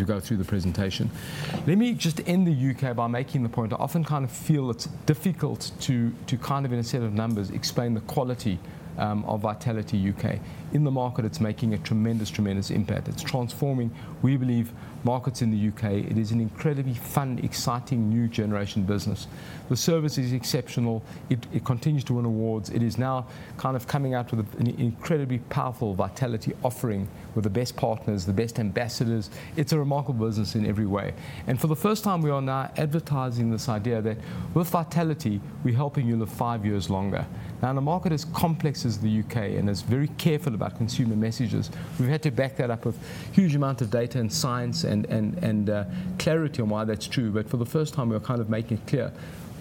go through the presentation. Let me just end on the UK by making the point. I often kind of feel it's difficult to kind of, in a set of numbers, explain the quality of Vitality UK. In the market, it's making a tremendous, tremendous impact. It's transforming, we believe, markets in the UK. It is an incredibly fun, exciting new generation business. The service is exceptional. It continues to win awards. It is now kind of coming out with an incredibly powerful Vitality offering with the best partners, the best ambassadors. It's a remarkable business in every way. And for the first time, we are now advertising this idea that with Vitality, we're helping you live five years longer. Now, in a market as complex as the U.K. and as very careful about consumer messages, we've had to back that up with huge amounts of data and science and clarity on why that's true. But for the first time, we're kind of making it clear.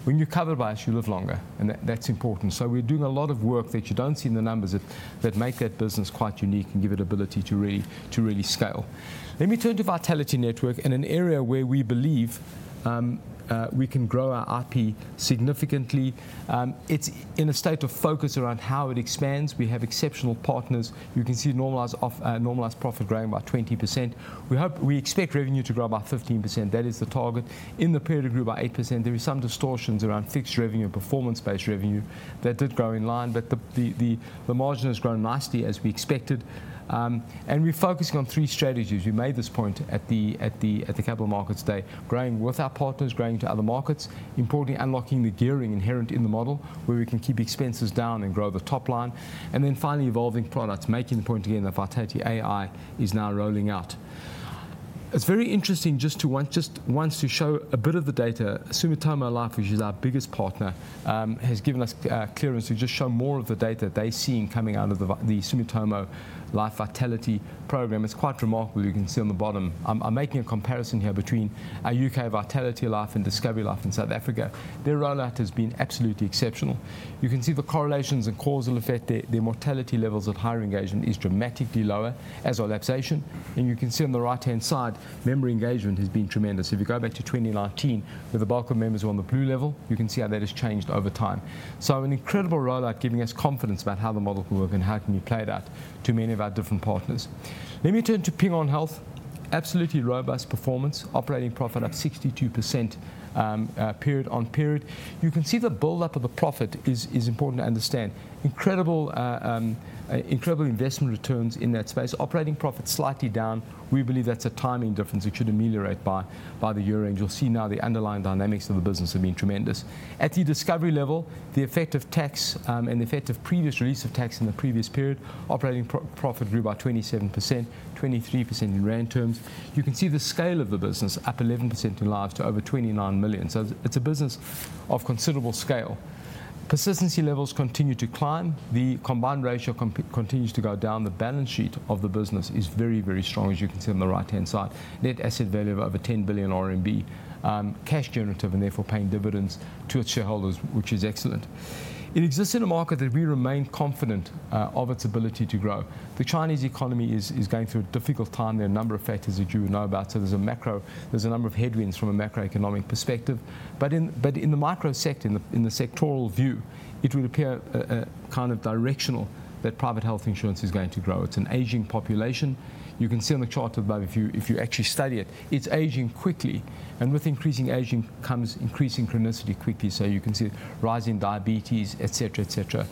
When you're covered by us, you live longer, and that's important. So we're doing a lot of work that you don't see in the numbers that make that business quite unique and give it ability to really scale. Let me turn to Vitality Network in an area where we believe we can grow our IP significantly. It's in a state of focus around how it expands. We have exceptional partners. You can see normalized profit growing by 20%. We expect revenue to grow by 15%. That is the target. In the period, it grew by 8%. There were some distortions around fixed revenue and performance-based revenue that did grow in line, but the margin has grown nicely as we expected, and we're focusing on three strategies. We made this point at the capital markets today, growing with our partners, growing to other markets, importantly unlocking the gearing inherent in the model where we can keep expenses down and grow the top line, and then finally, evolving products, making the point again that Vitality AI is now rolling out. It's very interesting just once to show a bit of the data. Sumitomo Life, which is our biggest partner, has given us clearance to just show more of the data they've seen coming out of the Sumitomo Life Vitality program. It's quite remarkable. You can see on the bottom. I'm making a comparison here between our UK Vitality Life and Discovery Life in South Africa. Their rollout has been absolutely exceptional. You can see the correlations and causal effect. Their mortality levels of higher engagement is dramatically lower as our lapsation, and you can see on the right-hand side, member engagement has been tremendous. If you go back to 2019, with a bulk of members who are on the blue level, you can see how that has changed over time. So an incredible rollout giving us confidence about how the model can work and how can we play that to many of our different partners. Let me turn to Ping An Health. Absolutely robust performance, operating profit up 62% period on period. You can see the build-up of the profit is important to understand. Incredible investment returns in that space. Operating profit slightly down. We believe that's a timing difference. It should ameliorate by the year end. You'll see now the underlying dynamics of the business have been tremendous. At the Discovery level, the effect of tax and the effect of previous release of tax in the previous period, operating profit grew by 27%, 23% in rand terms. You can see the scale of the business up 11% in lives to over 29 million. So it's a business of considerable scale. Persistency levels continue to climb. The combined ratio continues to go down. The balance sheet of the business is very, very strong, as you can see on the right-hand side. Net asset value of over 10 billion RMB, cash generative and therefore paying dividends to its shareholders, which is excellent. It exists in a market that we remain confident of its ability to grow. The Chinese economy is going through a difficult time. There are a number of factors that you would know about. So there's a macro, there's a number of headwinds from a macroeconomic perspective. But in the micro sector, in the sectoral view, it would appear kind of directional that private health insurance is going to grow. It's an aging population. You can see on the chart above, if you actually study it, it's aging quickly. And with increasing aging comes increasing chronicity quickly. So you can see rising diabetes, etc., etc.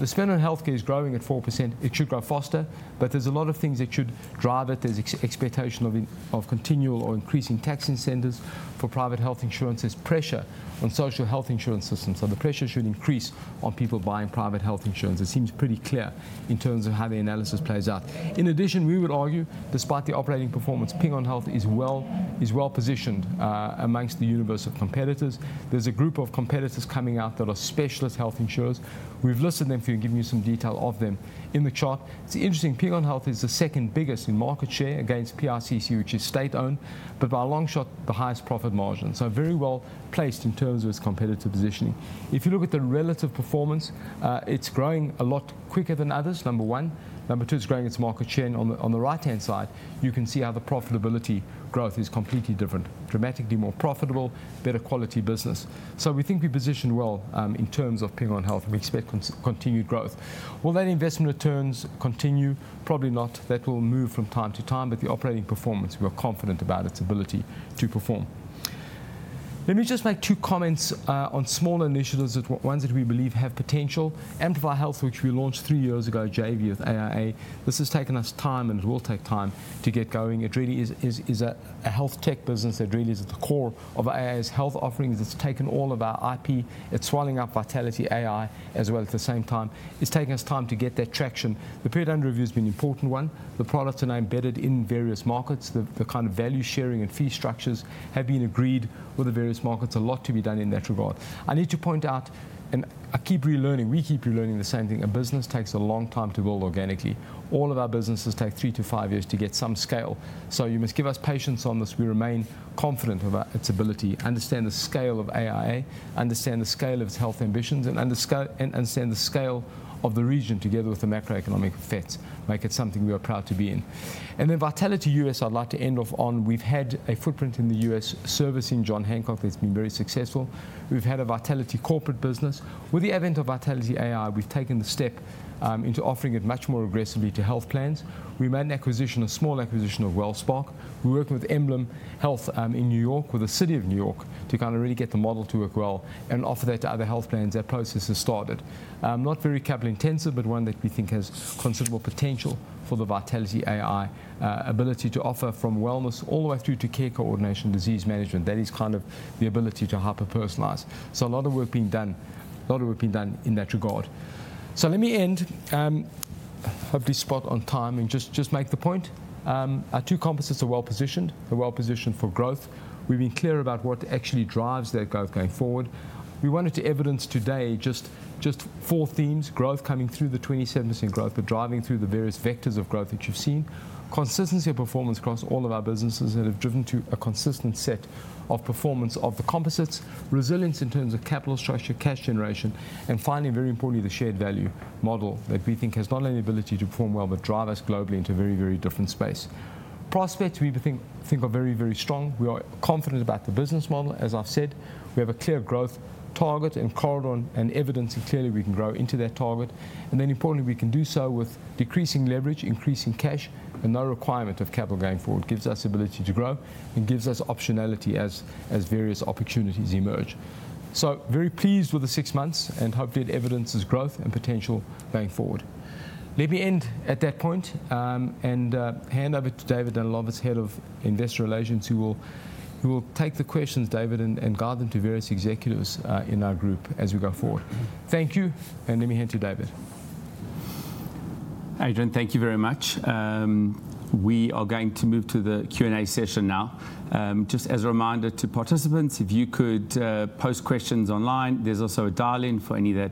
The spend on healthcare is growing at 4%. It should grow faster, but there's a lot of things that should drive it. There's expectation of continual or increasing tax incentives for private health insurance. There's pressure on social health insurance systems. So the pressure should increase on people buying private health insurance. It seems pretty clear in terms of how the analysis plays out. In addition, we would argue, despite the operating performance, Ping An Health is well positioned amongst the universe of competitors. There's a group of competitors coming out that are specialist health insurers. We've listed them for you and given you some detail of them in the chart. It's interesting. Ping An Health is the second biggest in market share against PICC, which is state-owned, but by a long shot the highest profit margin. So very well placed in terms of its competitive positioning. If you look at the relative performance, it's growing a lot quicker than others, number one. Number two, it's growing its market share, and on the right-hand side, you can see how the profitability growth is completely different, dramatically more profitable, better quality business, so we think we position well in terms of Ping An Health. We expect continued growth. Will that investment returns continue? Probably not. That will move from time to time, but the operating performance, we are confident about its ability to perform. Let me just make two comments on smaller initiatives, ones that we believe have potential. Amplify Health, which we launched three years ago, JV with AIA. This has taken us time and it will take time to get going. It really is a health tech business. It really is at the core of AIA's health offerings. It's taken all of our IP. It's scaling up Vitality AI as well at the same time. It's taken us time to get that traction. The period under review has been an important one. The products are now embedded in various markets. The kind of value sharing and fee structures have been agreed with the various markets. A lot to be done in that regard. I need to point out, and I keep relearning, we keep relearning the same thing. A business takes a long time to build organically. All of our businesses take three to five years to get some scale. So you must give us patience on this. We remain confident of its ability. Understand the scale of AIA, understand the scale of its health ambitions, and understand the scale of the region together with the macroeconomic effects. Make it something we are proud to be in. Then Vitality U.S., I'd like to end off on. We've had a footprint in the U.S. servicing John Hancock that's been very successful. We've had a Vitality corporate business. With the advent of Vitality AI, we've taken the step into offering it much more aggressively to health plans. We made an acquisition, a small acquisition of WellSpark. We're working with EmblemHealth in New York with the city of New York to kind of really get the model to work well and offer that to other health plans. That process has started. Not very capital-intensive, but one that we think has considerable potential for the Vitality AI ability to offer from wellness all the way through to care coordination, disease management. That is kind of the ability to hyper-personalize. So a lot of work being done in that regard. So let me end, hopefully spot on time and just make the point. Our two composites are well positioned, they're well positioned for growth. We've been clear about what actually drives that growth going forward. We wanted to evidence today just four themes: growth coming through the 27% growth, but driving through the various vectors of growth that you've seen, consistency of performance across all of our businesses that have driven to a consistent set of performance of the composites, resilience in terms of capital structure, cash generation, and finally, very importantly, the shared value model that we think has not only the ability to perform well but drive us globally into a very, very different space. Prospects we think are very, very strong. We are confident about the business model. As I've said, we have a clear growth target and corridor and evidence that clearly we can grow into that target. And then importantly, we can do so with decreasing leverage, increasing cash, and no requirement of capital going forward. It gives us the ability to grow and gives us optionality as various opportunities emerge. So very pleased with the six months and hope to get evidence of growth and potential going forward. Let me end at that point and hand over to David Danilowitz, who's head of investor relations, who will take the questions, David, and guide them to various executives in our group as we go forward. Thank you. And let me hand to David. Adrian, thank you very much. We are going to move to the Q&A session now. Just as a reminder to participants, if you could post questions online, there's also a dial-in for any that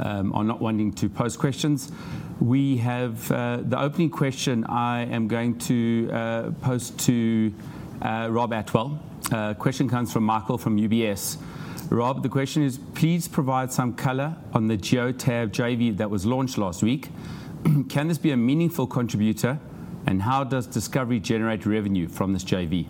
are not wanting to post questions. We have the opening question. I am going to pose to Rob Attwell. Question comes from Michael from UBS. Rob, the question is, please provide some color on the Geotab JV that was launched last week. Can this be a meaningful contributor and how does Discovery generate revenue from this JV?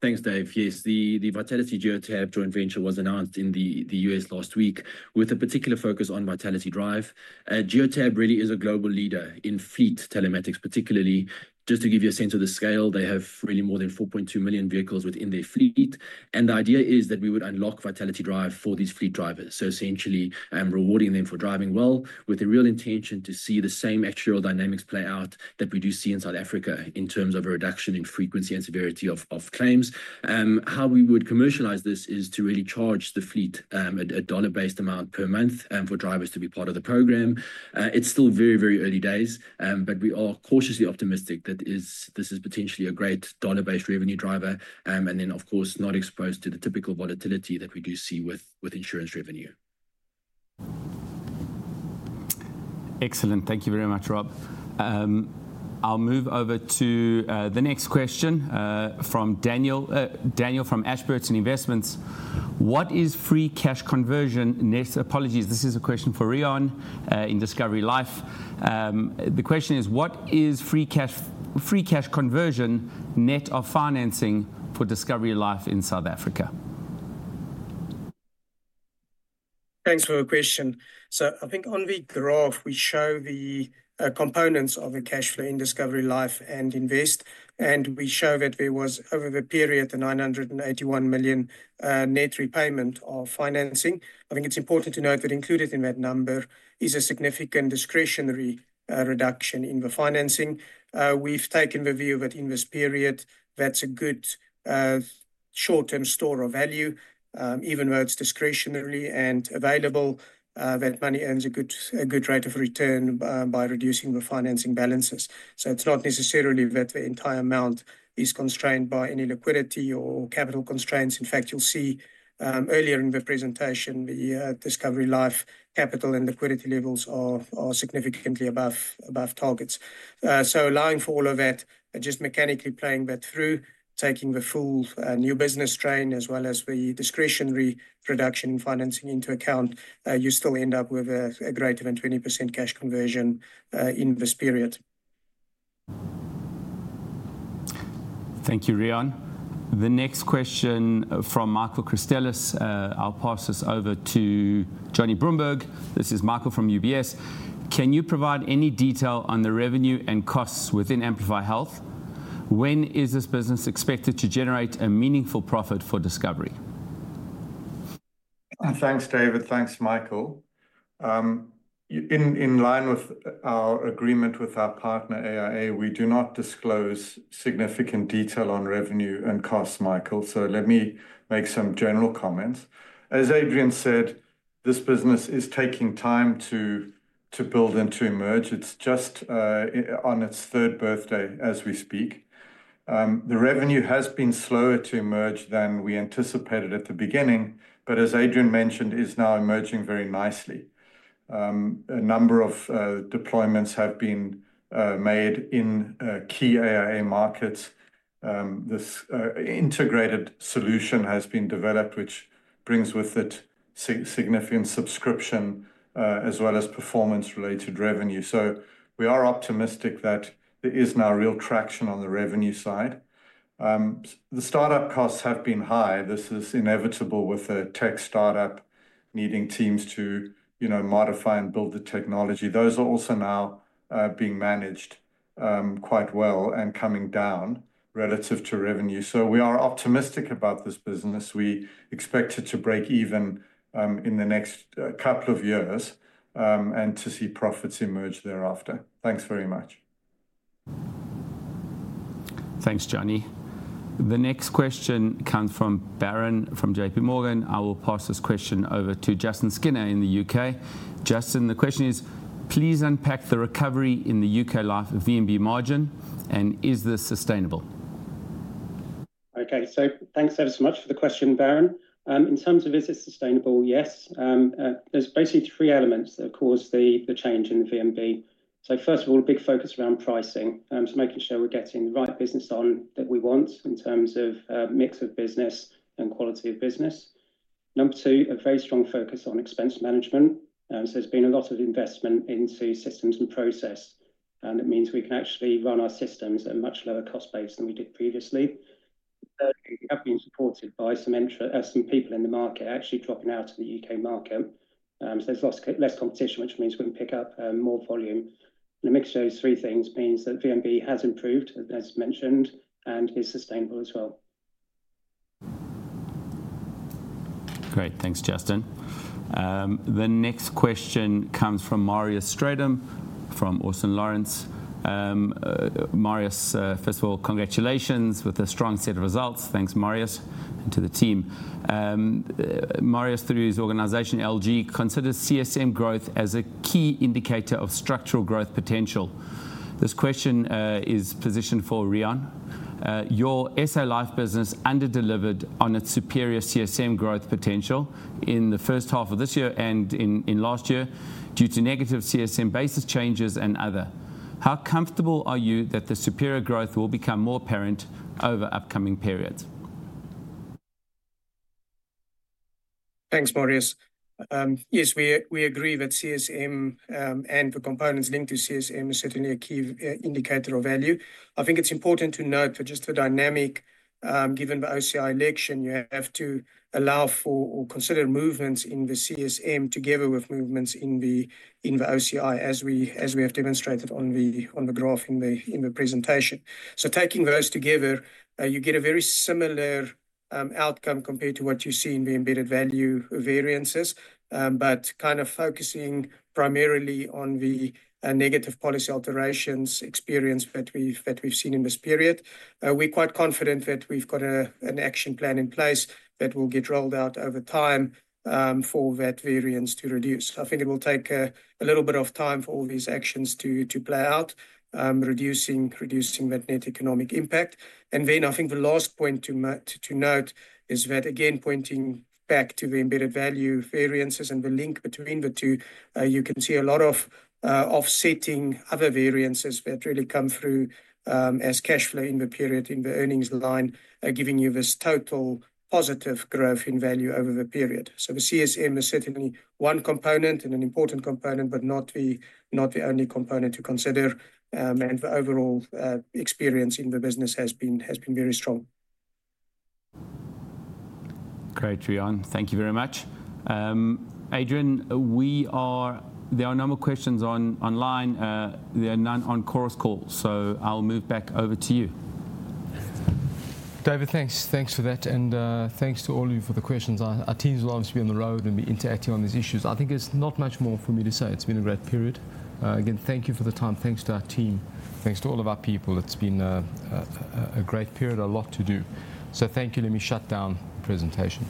Thanks, Dave. Yes, the Vitality Geotab joint venture was announced in the U.S. last week with a particular focus on Vitality Drive. Geotab really is a global leader in fleet telematics, particularly just to give you a sense of the scale, they have really more than 4.2 million vehicles within their fleet. And the idea is that we would unlock Vitality Drive for these fleet drivers. Essentially, I'm rewarding them for driving well with a real intention to see the same actual dynamics play out that we do see in South Africa in terms of a reduction in frequency and severity of claims. How we would commercialize this is to really charge the fleet a dollar-based amount per month for drivers to be part of the program. It's still very, very early days, but we are cautiously optimistic that this is potentially a great dollar-based revenue driver and then, of course, not exposed to the typical volatility that we do see with insurance revenue. Excellent. Thank you very much, Rob. I'll move over to the next question from Daniel from Ashburton Investments. What is free cash conversion net? Apologies, this is a question for Riaan in Discovery Life. The question is, what is free cash conversion net of financing for Discovery Life in South Africa? Thanks for your question. So I think on the graph, we show the components of a cash flow in Discovery Life and Invest, and we show that there was over the period, the 981 million net repayment of financing. I think it's important to note that included in that number is a significant discretionary reduction in the financing. We've taken the view that in this period, that's a good short-term store of value, even though it's discretionary and available, that money earns a good rate of return by reducing the financing balances. So it's not necessarily that the entire amount is constrained by any liquidity or capital constraints. In fact, you'll see earlier in the presentation, the Discovery Life capital and liquidity levels are significantly above targets. Allowing for all of that, just mechanically playing that through, taking the full new business train as well as the discretionary reduction in financing into account, you still end up with a greater than 20% cash conversion in this period. Thank you, Riaan. The next question from Michael Christelis. I'll pass this over to Jonathan Broomberg. This is Michael from UBS. Can you provide any detail on the revenue and costs within Amplify Health? When is this business expected to generate a meaningful profit for Discovery? Thanks, David. Thanks, Michael. In line with our agreement with our partner, AIA, we do not disclose significant detail on revenue and costs, Michael. Let me make some general comments. As Adrian said, this business is taking time to build and to emerge. It's just on its third birthday as we speak. The revenue has been slower to emerge than we anticipated at the beginning, but as Adrian mentioned, it is now emerging very nicely. A number of deployments have been made in key AIA markets. This integrated solution has been developed, which brings with it significant subscription as well as performance-related revenue. So we are optimistic that there is now real traction on the revenue side. The startup costs have been high. This is inevitable with a tech startup needing teams to modify and build the technology. Those are also now being managed quite well and coming down relative to revenue. So we are optimistic about this business. We expect it to break even in the next couple of years and to see profits emerge thereafter. Thanks very much. Thanks, Johnny. The next question comes from Baran from JPMorgan. I will pass this question over to Justin Skinner in the U.K. Justin, the question is, please unpack the recovery in the U.K. life of VNB margin and is this sustainable? Okay, so thanks ever so much for the question, Baran. In terms of is it sustainable, yes. There's basically three elements that cause the change in the VNB. So first of all, a big focus around pricing, making sure we're getting the right business one that we want in terms of mix of business and quality of business. Number two, a very strong focus on expense management. So there's been a lot of investment into systems and process, and it means we can actually run our systems at a much lower cost base than we did previously. We have been supported by some people in the market actually dropping out of the U.K. market. So there's less competition, which means we can pick up more volume. The mixture of these three things means that VNB has improved, as mentioned, and is sustainable as well. Great. Thanks, Justin. The next question comes from Marius Strydom from Austin Lawrence. Marius, first of all, congratulations with a strong set of results. Thanks, Marius, and to the team. Marius, through his organization, LG, considers CSM growth as a key indicator of structural growth potential. This question is positioned for Riaan van Reenen. Your SA Life business under-delivered on its superior CSM growth potential in the first half of this year and in last year due to negative CSM basis changes and other. How comfortable are you that the superior growth will become more apparent over upcoming periods? Thanks, Marius. Yes, we agree that CSM and the components linked to CSM are certainly a key indicator of value. I think it's important to note for just the dynamic given the OCI election, you have to allow for or consider movements in the CSM together with movements in the OCI, as we have demonstrated on the graph in the presentation. So taking those together, you get a very similar outcome compared to what you see in the Embedded Value variances, but kind of focusing primarily on the negative policy alterations experience that we've seen in this period. We're quite confident that we've got an action plan in place that will get rolled out over time for that variance to reduce. I think it will take a little bit of time for all these actions to play out, reducing that net economic impact. And then I think the last point to note is that, again, pointing back to the embedded value variances and the link between the two, you can see a lot of offsetting other variances that really come through as cash flow in the period in the earnings line, giving you this total positive growth in value over the period. So the CSM is certainly one component and an important component, but not the only component to consider. And the overall experience in the business has been very strong. Great, Riaan. Thank you very much. Adrian, there are no more questions online. There are none on the conference call. So I'll move back over to you. David, thanks. Thanks for that. And thanks to all of you for the questions. Our teams love to be on the road and be interacting on these issues. I think there's not much more for me to say. It's been a great period. Again, thank you for the time. Thanks to our team. Thanks to all of our people. It's been a great period, a lot to do. So thank you. Let me shut down the presentation.